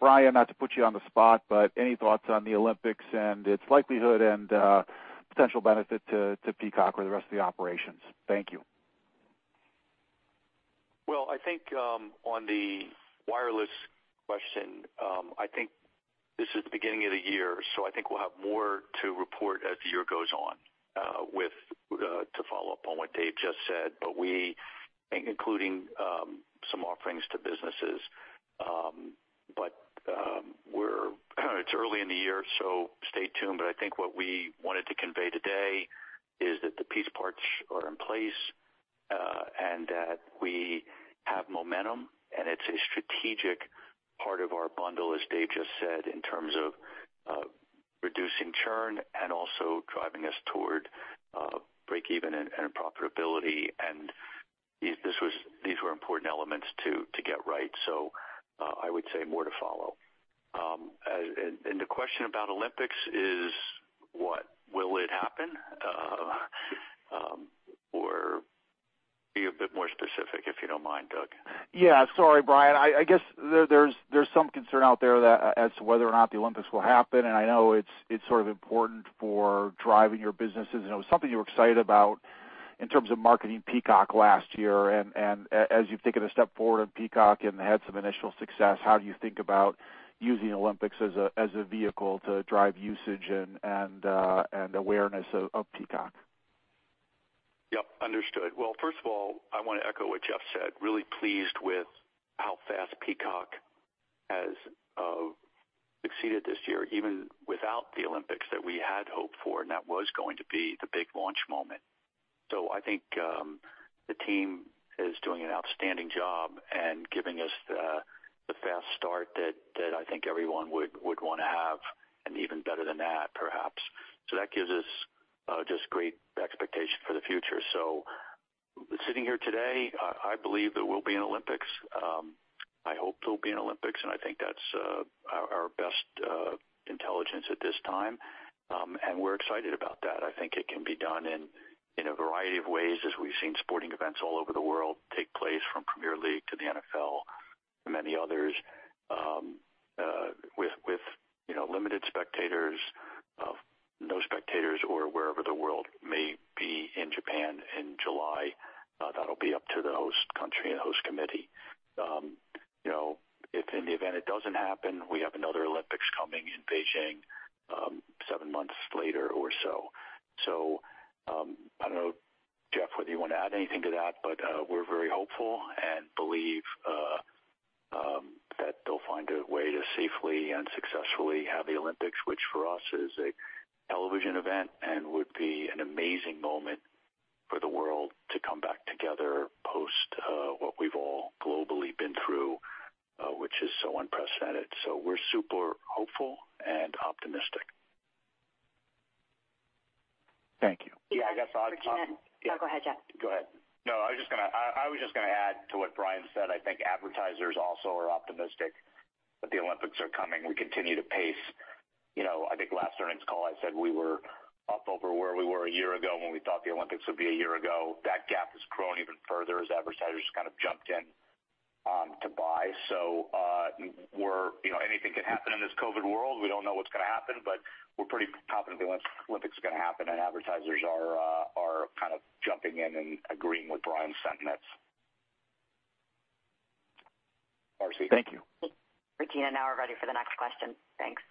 Brian, not to put you on the spot, but any thoughts on the Olympics and its likelihood and potential benefit to Peacock or the rest of the operations? Thank you. Well, I think on the wireless question, I think this is the beginning of the year, I think we'll have more to report as the year goes on to follow up on what Dave just said. We including some offerings to businesses. It's early in the year, stay tuned. I think what we wanted to convey today is that the piece parts are in place, and that we have momentum, and it's a strategic part of our bundle, as Dave just said, in terms of reducing churn and also driving us toward breakeven and profitability. These were important elements to get right. I would say more to follow. The question about Olympics is, what, will it happen? Be a bit more specific, if you don't mind, Doug. Yeah. Sorry, Brian. I guess there's some concern out there as to whether or not the Olympics will happen, and I know it's sort of important for driving your businesses, and it was something you were excited about in terms of marketing Peacock last year. As you've taken a step forward on Peacock and had some initial success, how do you think about using Olympics as a vehicle to drive usage and awareness of Peacock? Yep. Understood. First of all, I want to echo what Jeff said. Really pleased with how fast Peacock has succeeded this year, even without the Olympics that we had hoped for, and that was going to be the big launch moment. I think the team is doing an outstanding job and giving us the fast start that I think everyone would want to have and even better than that, perhaps. That gives us just great expectation for the future. Sitting here today, I believe there will be an Olympics. I hope there'll be an Olympics, and I think that's our best intelligence at this time. We're excited about that. I think it can be done in a variety of ways as we've seen sporting events all over the world take place, from Premier League to the NFL, and many others with limited spectators, no spectators or wherever the world may be in Japan in July. That'll be up to the host country and host committee. If in the event it doesn't happen, we have another Olympics coming in Beijing seven months later or so. I don't know, Jeff, whether you want to add anything to that, but we're very hopeful and believe that they'll find a way to safely and successfully have the Olympics, which for us is a television event and would be an amazing moment for the world to come back together post what we've all globally been through which is so unprecedented. We're super hopeful and optimistic. Thank you. Yeah, I guess I'll- Go ahead, Jeff. Go ahead. No, I was just gonna add to what Brian said. I think advertisers also are optimistic that the Olympics are coming. We continue to pace. I think last earnings call, I said we were up over where we were a year ago when we thought the Olympics would be a year ago. That gap has grown even further as advertisers kind of jumped in to buy. Anything can happen in this COVID world. We don't know what's going to happen, but we're pretty confident the Olympics is going to happen and advertisers are kind of jumping in and agreeing with Brian's sentiments. Thank you. Regina, now we're ready for the next question. Thanks.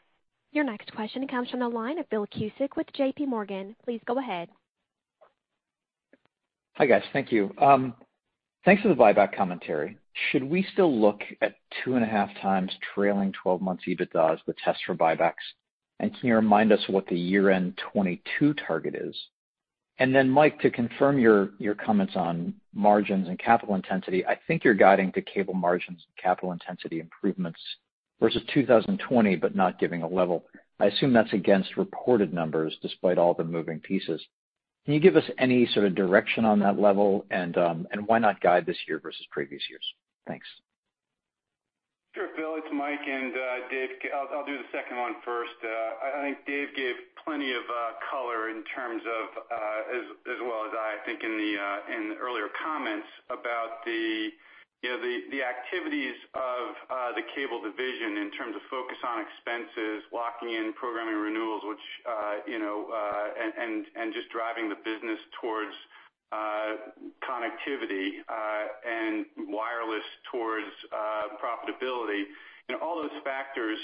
Your next question comes from the line of Phil Cusick with J.P. Morgan. Please go ahead. Hi, guys. Thank you. Thanks for the buyback commentary. Should we still look at 2.5x trailing 12 months EBITDA as the test for buybacks? Can you remind us what the year-end 2022 target is? Mike, to confirm your comments on margins and capital intensity, I think you're guiding to cable margins and capital intensity improvements versus 2020, but not giving a level. I assume that's against reported numbers despite all the moving pieces. Can you give us any sort of direction on that level, and why not guide this year versus previous years? Thanks. Sure, Phil, it's Mike and Dave. I'll do the second one first. I think Dave gave plenty of color in terms of as well as I think in the earlier comments about the activities of the Cable Communications in terms of focus on expenses, locking in programming renewals and just driving the business towards. Connectivity and wireless towards profitability. All those factors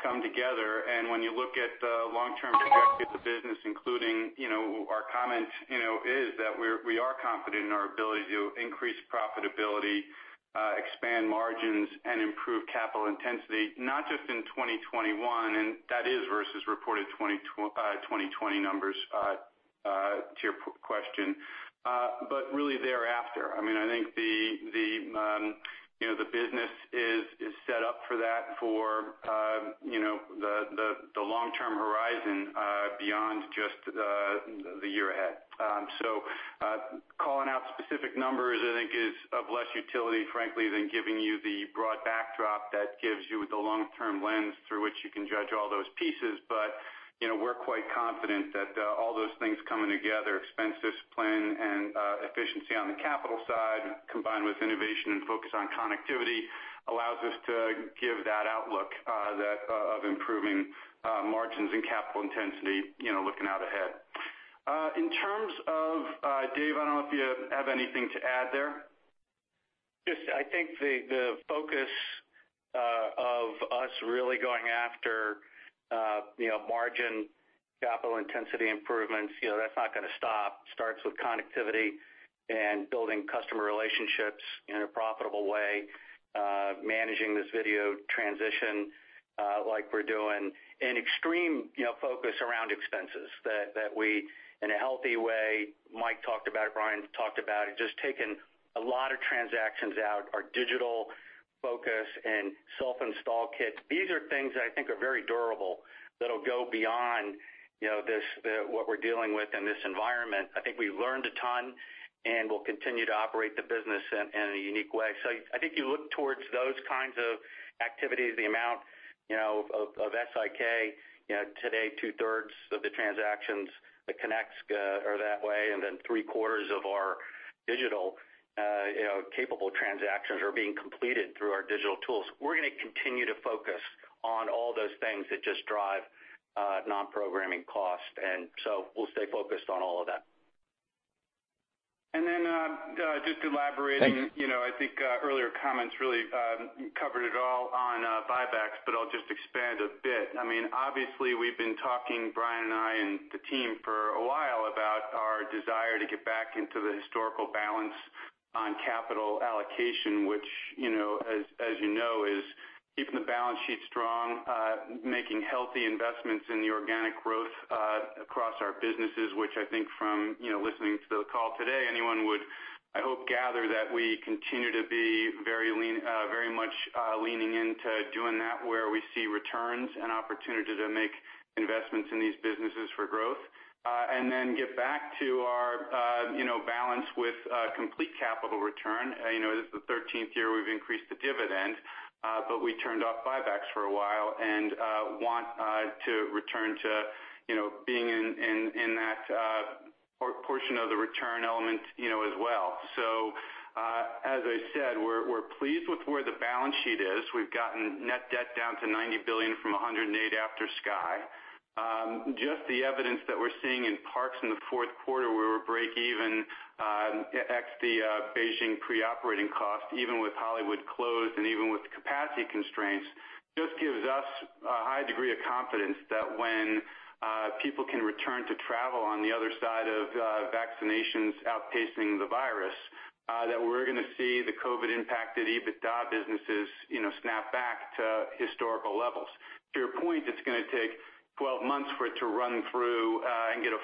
come together, and when you look at the long-term trajectory of the business, including our comments, is that we are confident in our ability to increase profitability, expand margins, and improve capital intensity, not just in 2021, and that is versus reported 2020 numbers to your question, but really thereafter. I think the business is set up for that for the long-term horizon beyond just the year ahead. Calling out specific numbers, I think, is of less utility, frankly, than giving you the broad backdrop that gives you the long-term lens through which you can judge all those pieces. We're quite confident that all those things coming together, expenses, plan, and efficiency on the capital side, combined with innovation and focus on connectivity, allows us to give that outlook of improving margins and capital intensity looking out ahead. In terms of. Dave, I don't know if you have anything to add there. Just I think the focus of us really going after margin capital intensity improvements, that's not going to stop. Starts with connectivity and building customer relationships in a profitable way, managing this video transition like we're doing, and extreme focus around expenses that we, in a healthy way, Mike talked about it, Brian talked about it, just taking a lot of transactions out. Our digital focus and self-install kits, these are things that I think are very durable that'll go beyond what we're dealing with in this environment. I think we've learned a ton, and we'll continue to operate the business in a unique way. I think you look towards those kinds of activities, the amount of SIK. Today, 2/3 of the transactions at connects are that way, and then three-quarters of our digital capable transactions are being completed through our digital tools. We're going to continue to focus on all those things that just drive non-programming costs, and so we'll stay focused on all of that. And then just elaborating- Thanks. I think earlier comments really covered it all on buybacks, but I'll just expand a bit. Obviously, we've been talking, Brian and I and the team, for a while about our desire to get back into the historical balance on capital allocation, which as you know, is keeping the balance sheet strong, making healthy investments in the organic growth across our businesses, which I think from listening to the call today, anyone would, I hope, gather that we continue to be very much leaning into doing that where we see returns and opportunity to make investments in these businesses for growth. And then get back to our balance with complete capital return. This is the 13th year we've increased the dividend, but we turned off buybacks for a while and want to return to being in that portion of the return element as well. As I said, we're pleased with where the balance sheet is. We've gotten net debt down to $90 billion from $108 after Sky. The evidence that we're seeing in parks in the fourth quarter, we were breakeven ex the Beijing pre-operating cost, even with Hollywood closed and even with capacity constraints, just gives us a high degree of confidence that when people can return to travel on the other side of vaccinations outpacing the virus, that we're going to see the COVID impacted EBITDA businesses snap back to historical levels. To your point, it's going to take 12 months for it to run through and get it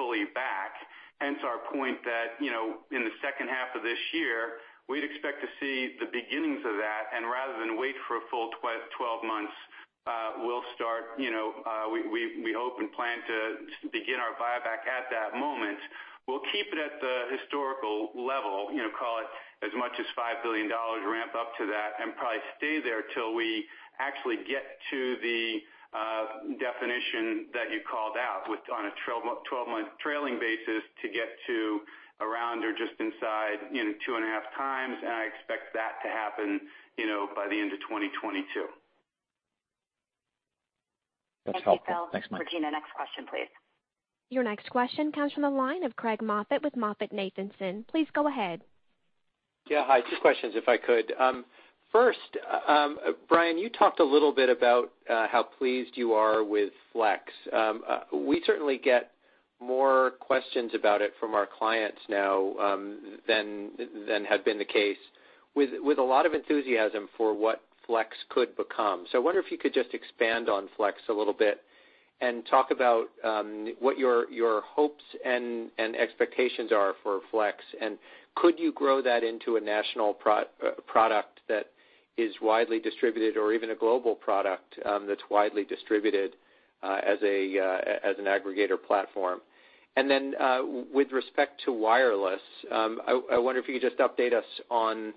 fully back, hence our point that in the second half of this year, we'd expect to see the beginnings of that, and rather than wait for a full 12 months, we hope and plan to begin our buyback at that moment. We'll keep it at the historical level, call it as much as $5 billion, ramp up to that, and probably stay there till we actually get to the definition that you called out on a 12-month trailing basis to get to around or just inside 2.5x. I expect that to happen by the end of 2022. That's helpful. Thanks, Mike. Thank you. Regina, next question, please. Your next question comes from the line of Craig Moffett with MoffettNathanson. Please go ahead. Yeah. Hi. Two questions, if I could. First, Brian, you talked a little bit about how pleased you are with Flex. We certainly get more questions about it from our clients now than had been the case with a lot of enthusiasm for what Flex could become. I wonder if you could just expand on Flex a little bit and talk about what your hopes and expectations are for Flex, and could you grow that into a national product that is widely distributed or even a global product that's widely distributed as an aggregator platform? With respect to wireless, I wonder if you could just update us on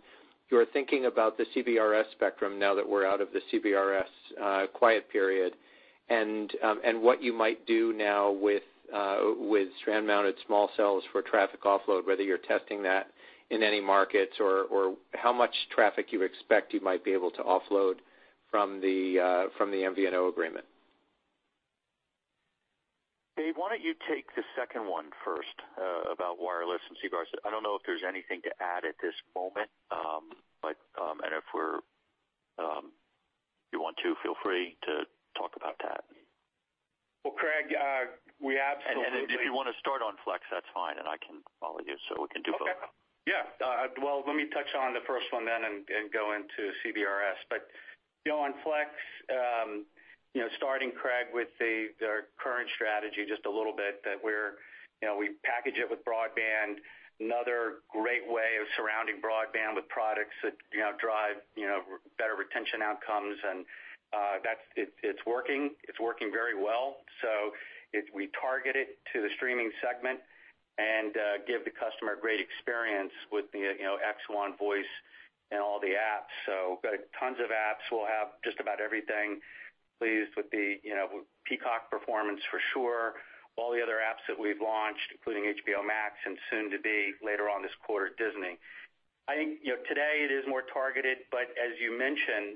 your thinking about the CBRS spectrum now that we're out of the CBRS quiet period and what you might do now with strand-mounted small cells for traffic offload, whether you're testing that in any markets or how much traffic you expect you might be able to offload from the MVNO agreement? Dave, why don't you take the second one first about wireless and CBRS? I don't know if there's anything to add at this moment. If you want to, feel free to talk about that. Well, Craig, we. If you want to start on Flex, that's fine, and I can follow you. We can do both. Okay. Yeah. Let me touch on the first one and go into CBRS. On Flex, starting, Craig, with the current strategy just a little bit that we package it with broadband, another great way of surrounding broadband with products that drive better retention outcomes, and it's working. It's working very well. We target it to the streaming segment and give the customer great experience with the X1 voice and all the apps, got tons of apps. We'll have just about everything. Pleased with the Peacock performance for sure. All the other apps that we've launched, including HBO Max and soon to be, later on this quarter, Disney. I think today it is more targeted, but as you mentioned,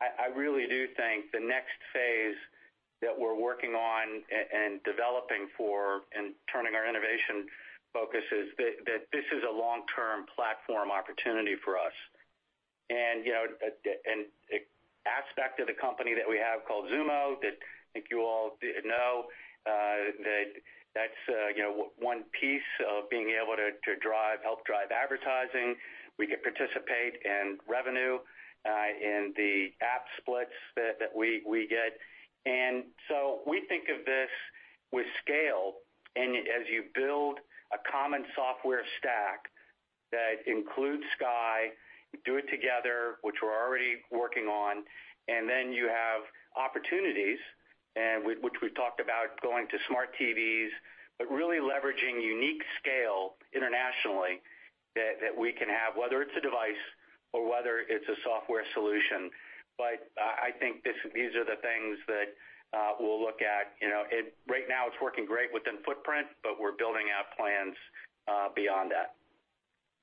I really do think the next phase that we're working on and developing for and turning our innovation focus is that this is a long-term platform opportunity for us. An aspect of the company that we have called Xumo that I think you all know, that's one piece of being able to help drive advertising. We could participate in revenue in the app splits that we get. We think of this with scale, and as you build a common software stack that includes Sky, do it together, which we're already working on, then you have opportunities, which we've talked about going to smart TVs, but really leveraging unique scale internationally that we can have, whether it's a device or whether it's a software solution. I think these are the things that we'll look at. Right now it's working great within footprint, but we're building out plans beyond that.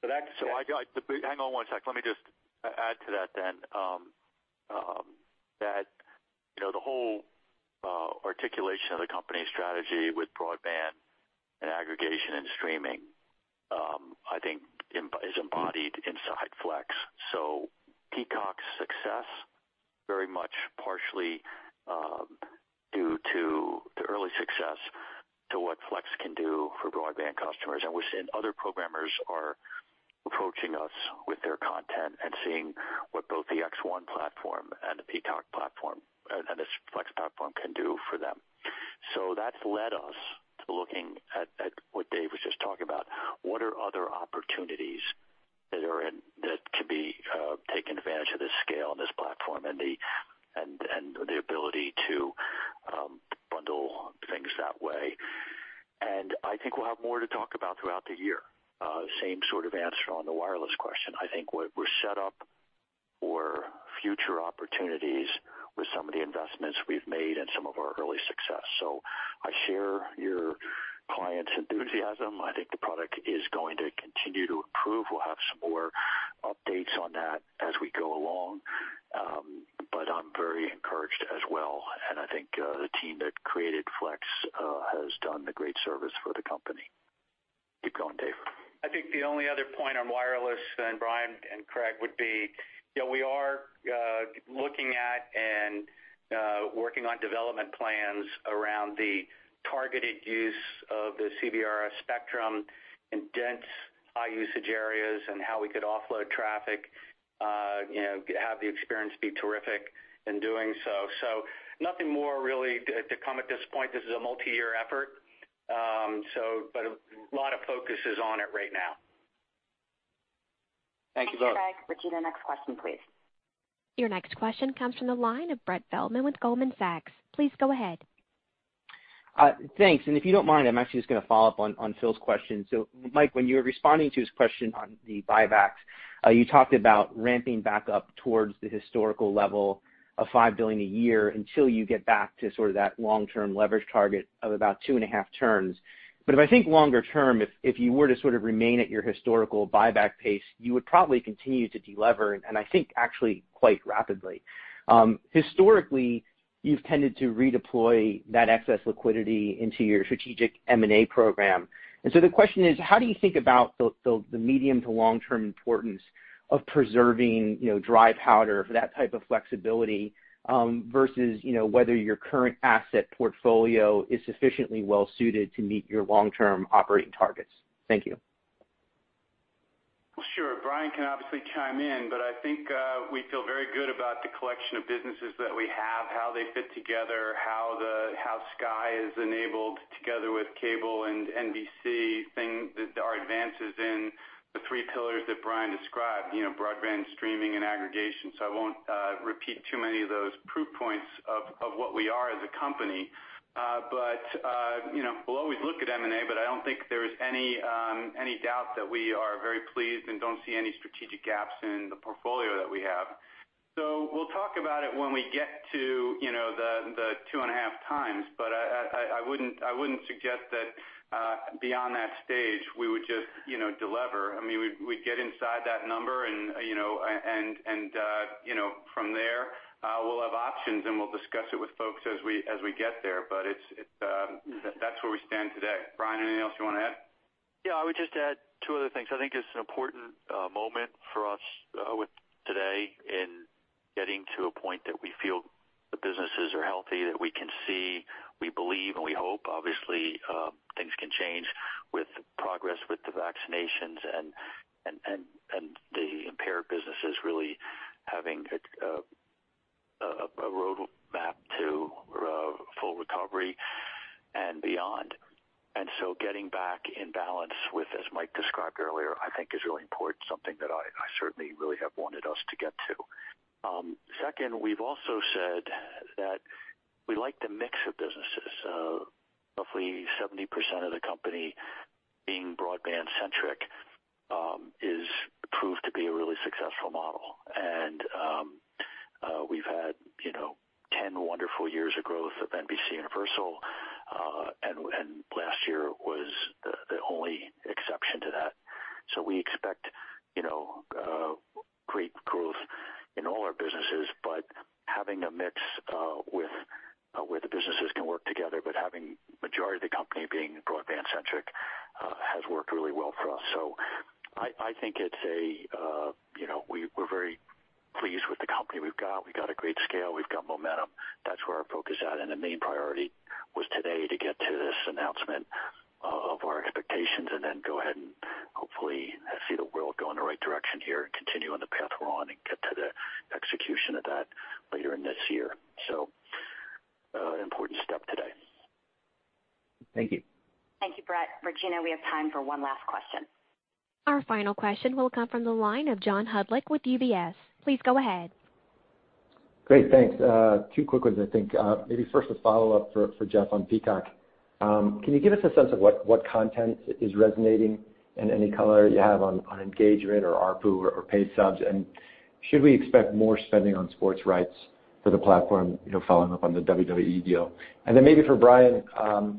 That's it. Hang on one sec. Let me just add to that. The whole articulation of the company's strategy with broadband and aggregation and streaming I think is embodied inside Flex. Peacock's success very much partially due to the early success to what Flex can do for broadband customers. We're seeing other programmers are approaching us with their content and seeing what both the X1 platform and the Peacock platform and this Flex platform can do for them. That's led us to looking at what Dave was just talking about. What are other opportunities that can be taken advantage of this scale and this platform and the ability to bundle things that way. I think we'll have more to talk about throughout the year. Same sort of answer on the wireless question. I think we're set up for future opportunities with some of the investments we've made and some of our early success. I share your client's enthusiasm. I think the product is going to continue to improve. We'll have some more updates on that as we go along. I'm very encouraged as well, and I think the team that created Flex has done a great service for the company. Keep going, Dave. I think the only other point on wireless then, Brian and Craig, would be we are looking at and working on development plans around the targeted use of the CBRS spectrum in dense high usage areas and how we could offload traffic, have the experience be terrific in doing so. Nothing more really to come at this point. This is a multi-year effort. A lot of focus is on it right now. Thank you both. Thank you, Craig. Regina, next question, please. Your next question comes from the line of Brett Feldman with Goldman Sachs. Please go ahead. Thanks. If you don't mind, I'm actually just gonna follow up on Phil's question. Mike, when you were responding to his question on the buybacks, you talked about ramping back up towards the historical level of $5 billion a year until you get back to sort of that long-term leverage target of about 2.5 turns. If I think longer term, if you were to sort of remain at your historical buyback pace, you would probably continue to delever, and I think actually quite rapidly. Historically, you've tended to redeploy that excess liquidity into your strategic M&A program. The question is, how do you think about the medium to long-term importance of preserving dry powder for that type of flexibility versus whether your current asset portfolio is sufficiently well suited to meet your long-term operating targets? Thank you. Well, sure. Brian can obviously chime in, but I think we feel very good about the collection of businesses that we have, how they fit together, how Sky is enabled together with Cable and NBC, our advances in the three pillars that Brian described, broadband, streaming, and aggregation. I won't repeat too many of those proof points of what we are as a company. We'll always look at M&A, but I don't think there is any doubt that we are very pleased and don't see any strategic gaps in the portfolio that we have. We'll talk about it when we get to the 2.5x. I wouldn't suggest that beyond that stage, we would just de-lever. We'd get inside that number and from there we'll have options and we'll discuss it with folks as we get there. That's where we stand today. Brian, anything else you want to add? I would just add two other things. I think it's an important moment for us with today in getting to a point that we feel the businesses are healthy, that we can see, we believe, and we hope, obviously, things can change with progress with the vaccinations and the impaired businesses really having a roadmap to full recovery and beyond. Getting back in balance with, as Mike described earlier, I think is really important, something that I certainly really have wanted us to get to. Second, we've also said that we like the mix of businesses. Roughly 70% of the company being broadband centric has proved to be a really successful model. We've had 10 wonderful years of growth of NBCUniversal, and last year was the only exception to that. We expect great growth in all our businesses, but having a mix where the businesses can work together, but having majority of the company being broadband centric has worked really well for us. I think we're very pleased with the company we've got. We got a great scale, we've got momentum. That's where our focus is at. The main priority was today to get to this announcement of our expectations and then go ahead and hopefully see the world go in the right direction here and continue on the path we're on and get to the execution of that later in this year. An important step today. Thank you. Thank you, Brett. Regina, we have time for one last question. Our final question will come from the line of John Hodulik with UBS. Please go ahead. Great. Thanks. Two quick ones, I think. Maybe first a follow-up for Jeff on Peacock. Can you give us a sense of what content is resonating and any color you have on engagement or ARPU or paid subs? Should we expect more spending on sports rights for the platform following up on the WWE deal? Maybe for Brian,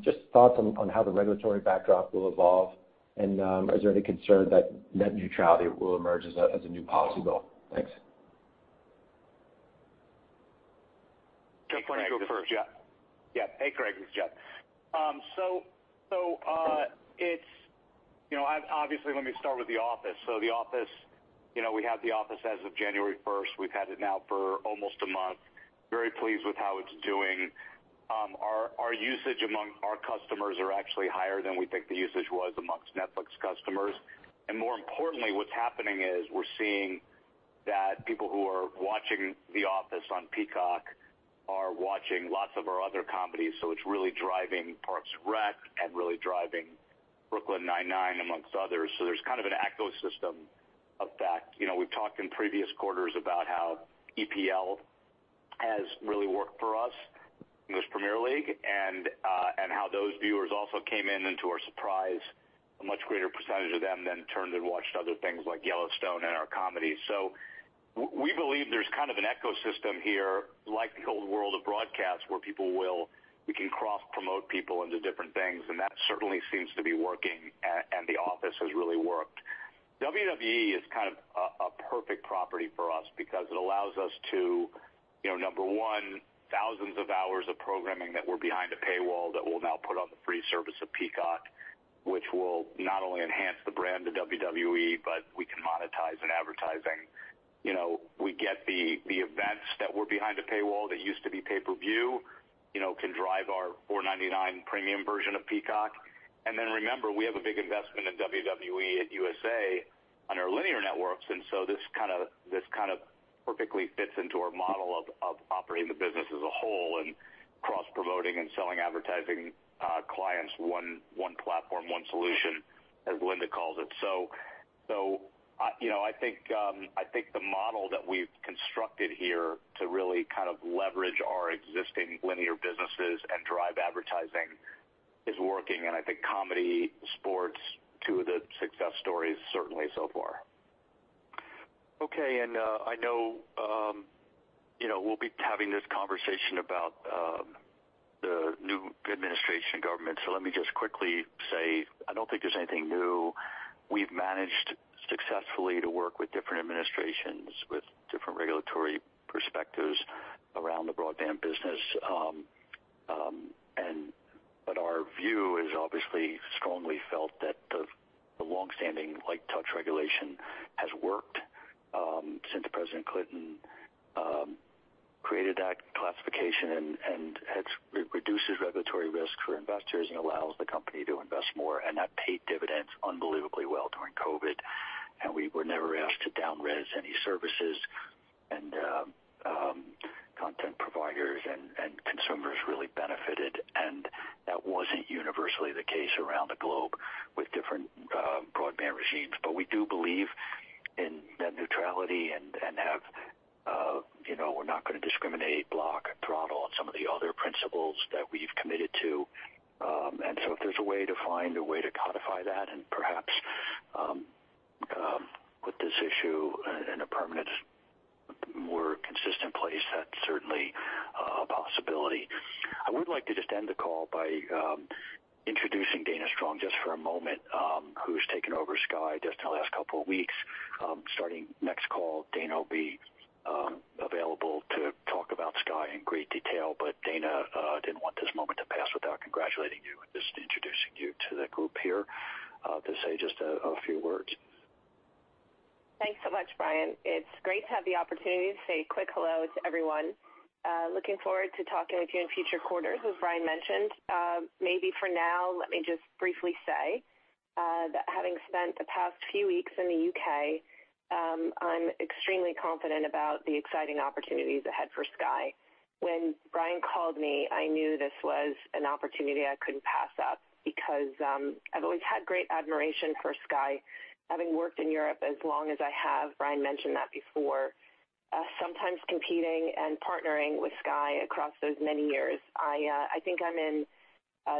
just thoughts on how the regulatory backdrop will evolve and is there any concern that net neutrality will emerge as a new policy bill? Thanks. Jeff, want to go first? Yeah. Hey, Craig, this is Jeff. Obviously let me start with The Office. We have The Office as of January 1st. We've had it now for almost a month. Very pleased with how it's doing. Our usage among our customers are actually higher than we think the usage was amongst Netflix customers. More importantly, what's happening is we're seeing that people who are watching The Office on Peacock are watching lots of our other comedies. It's really driving Parks and Rec and really driving Brooklyn Nine-Nine, amongst others. There's kind of an ecosystem of that. We've talked in previous quarters about how EPL has really worked for us, the English Premier League, and how those viewers also came in and to our surprise, a much greater percentage of them then turned and watched other things like Yellowstone and our comedies. We believe there's kind of an ecosystem here like the old world of broadcast where we can cross-promote people into different things and that certainly seems to be working and The Office has really worked. WWE is kind of a perfect property for us because it allows us to, number one, thousands of hours of programming that were behind a paywall that we'll now put on the free service of Peacock, which will not only enhance the brand of WWE, but we can monetize in advertising. We get the events that were behind a paywall that used to be pay-per-view can drive our $4.99 premium version of Peacock. Remember, we have a big investment in WWE at USA on our linear networks and so this kind of perfectly fits into our model of operating the business as a whole and cross-promoting and selling advertising clients one platform, one solution, as Linda calls it. I think the model that we've constructed here to really leverage our existing linear businesses, and drive advertising is working and I think comedy, sports, two of the success stories certainly so far. I know we'll be having this conversation about the new administration government so let me just quickly say I don't think there's anything new. We've managed successfully to work with different administrations with different regulatory perspectives around the broadband business. Our view is obviously strongly felt that the longstanding light touch regulation has worked since President Clinton created that classification and it reduces regulatory risk for investors and allows the company to invest more and that paid dividends unbelievably well during COVID and we were never asked to down res any services and content providers and consumers really benefited and that wasn't universally the case around the globe with different broadband regimes. We do believe in net neutrality and we're not going to discriminate, block, throttle on some of the other principles that we've committed to. If there's a way to find a way to codify that and perhaps put this issue in a permanent, more consistent place. That's certainly a possibility. I would like to just end the call by introducing Dana Strong just for a moment, who's taken over Sky just in the last couple of weeks. Starting next call, Dana will be available to talk about Sky in great detail. Dana, I didn't want this moment to pass without congratulating you and just introducing you to the group here, to say just a few words. Thanks so much, Brian. It's great to have the opportunity to say a quick hello to everyone. Looking forward to talking with you in future quarters, as Brian mentioned. Maybe for now, let me just briefly say that having spent the past few weeks in the U.K., I'm extremely confident about the exciting opportunities ahead for Sky. When Brian called me, I knew this was an opportunity I couldn't pass up because, I've always had great admiration for Sky, having worked in Europe as long as I have, Brian mentioned that before, sometimes competing and partnering with Sky across those many years. I think I'm in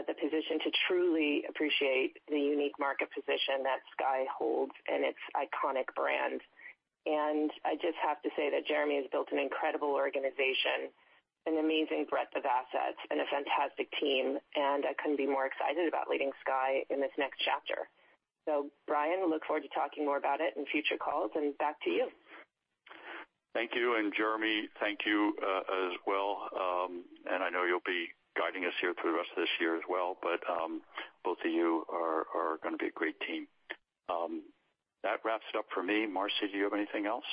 the position to truly appreciate the unique market position that Sky holds and its iconic brand. I just have to say that Jeremy has built an incredible organization, an amazing breadth of assets, and a fantastic team, and I couldn't be more excited about leading Sky in this next chapter. Brian, look forward to talking more about it in future calls, and back to you. Thank you, and Jeremy, thank you as well. I know you'll be guiding us here through the rest of this year as well, but both of you are going to be a great team. That wraps it up for me. Marci, do you have anything else?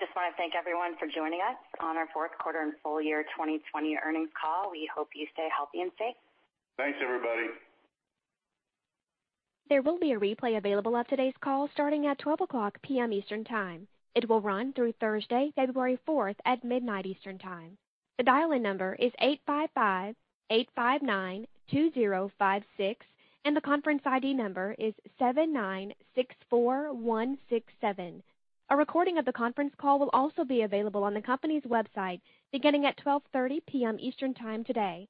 Just want to thank everyone for joining us on our fourth quarter and full year 2020 earnings call. We hope you stay healthy and safe. Thanks, everybody. There will be a replay available of today's call starting at 12:00 P.M. Eastern Time. It will run through Thursday, February 4th at midnight Eastern Time. The dial-in number is 855-859-2056, and the conference ID number is 7964167. A recording of the conference call will also be available on the company's website beginning at 12:30 P.M. Eastern Time today.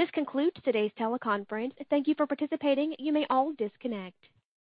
This concludes today's teleconference. Thank you for participating. You may all disconnect.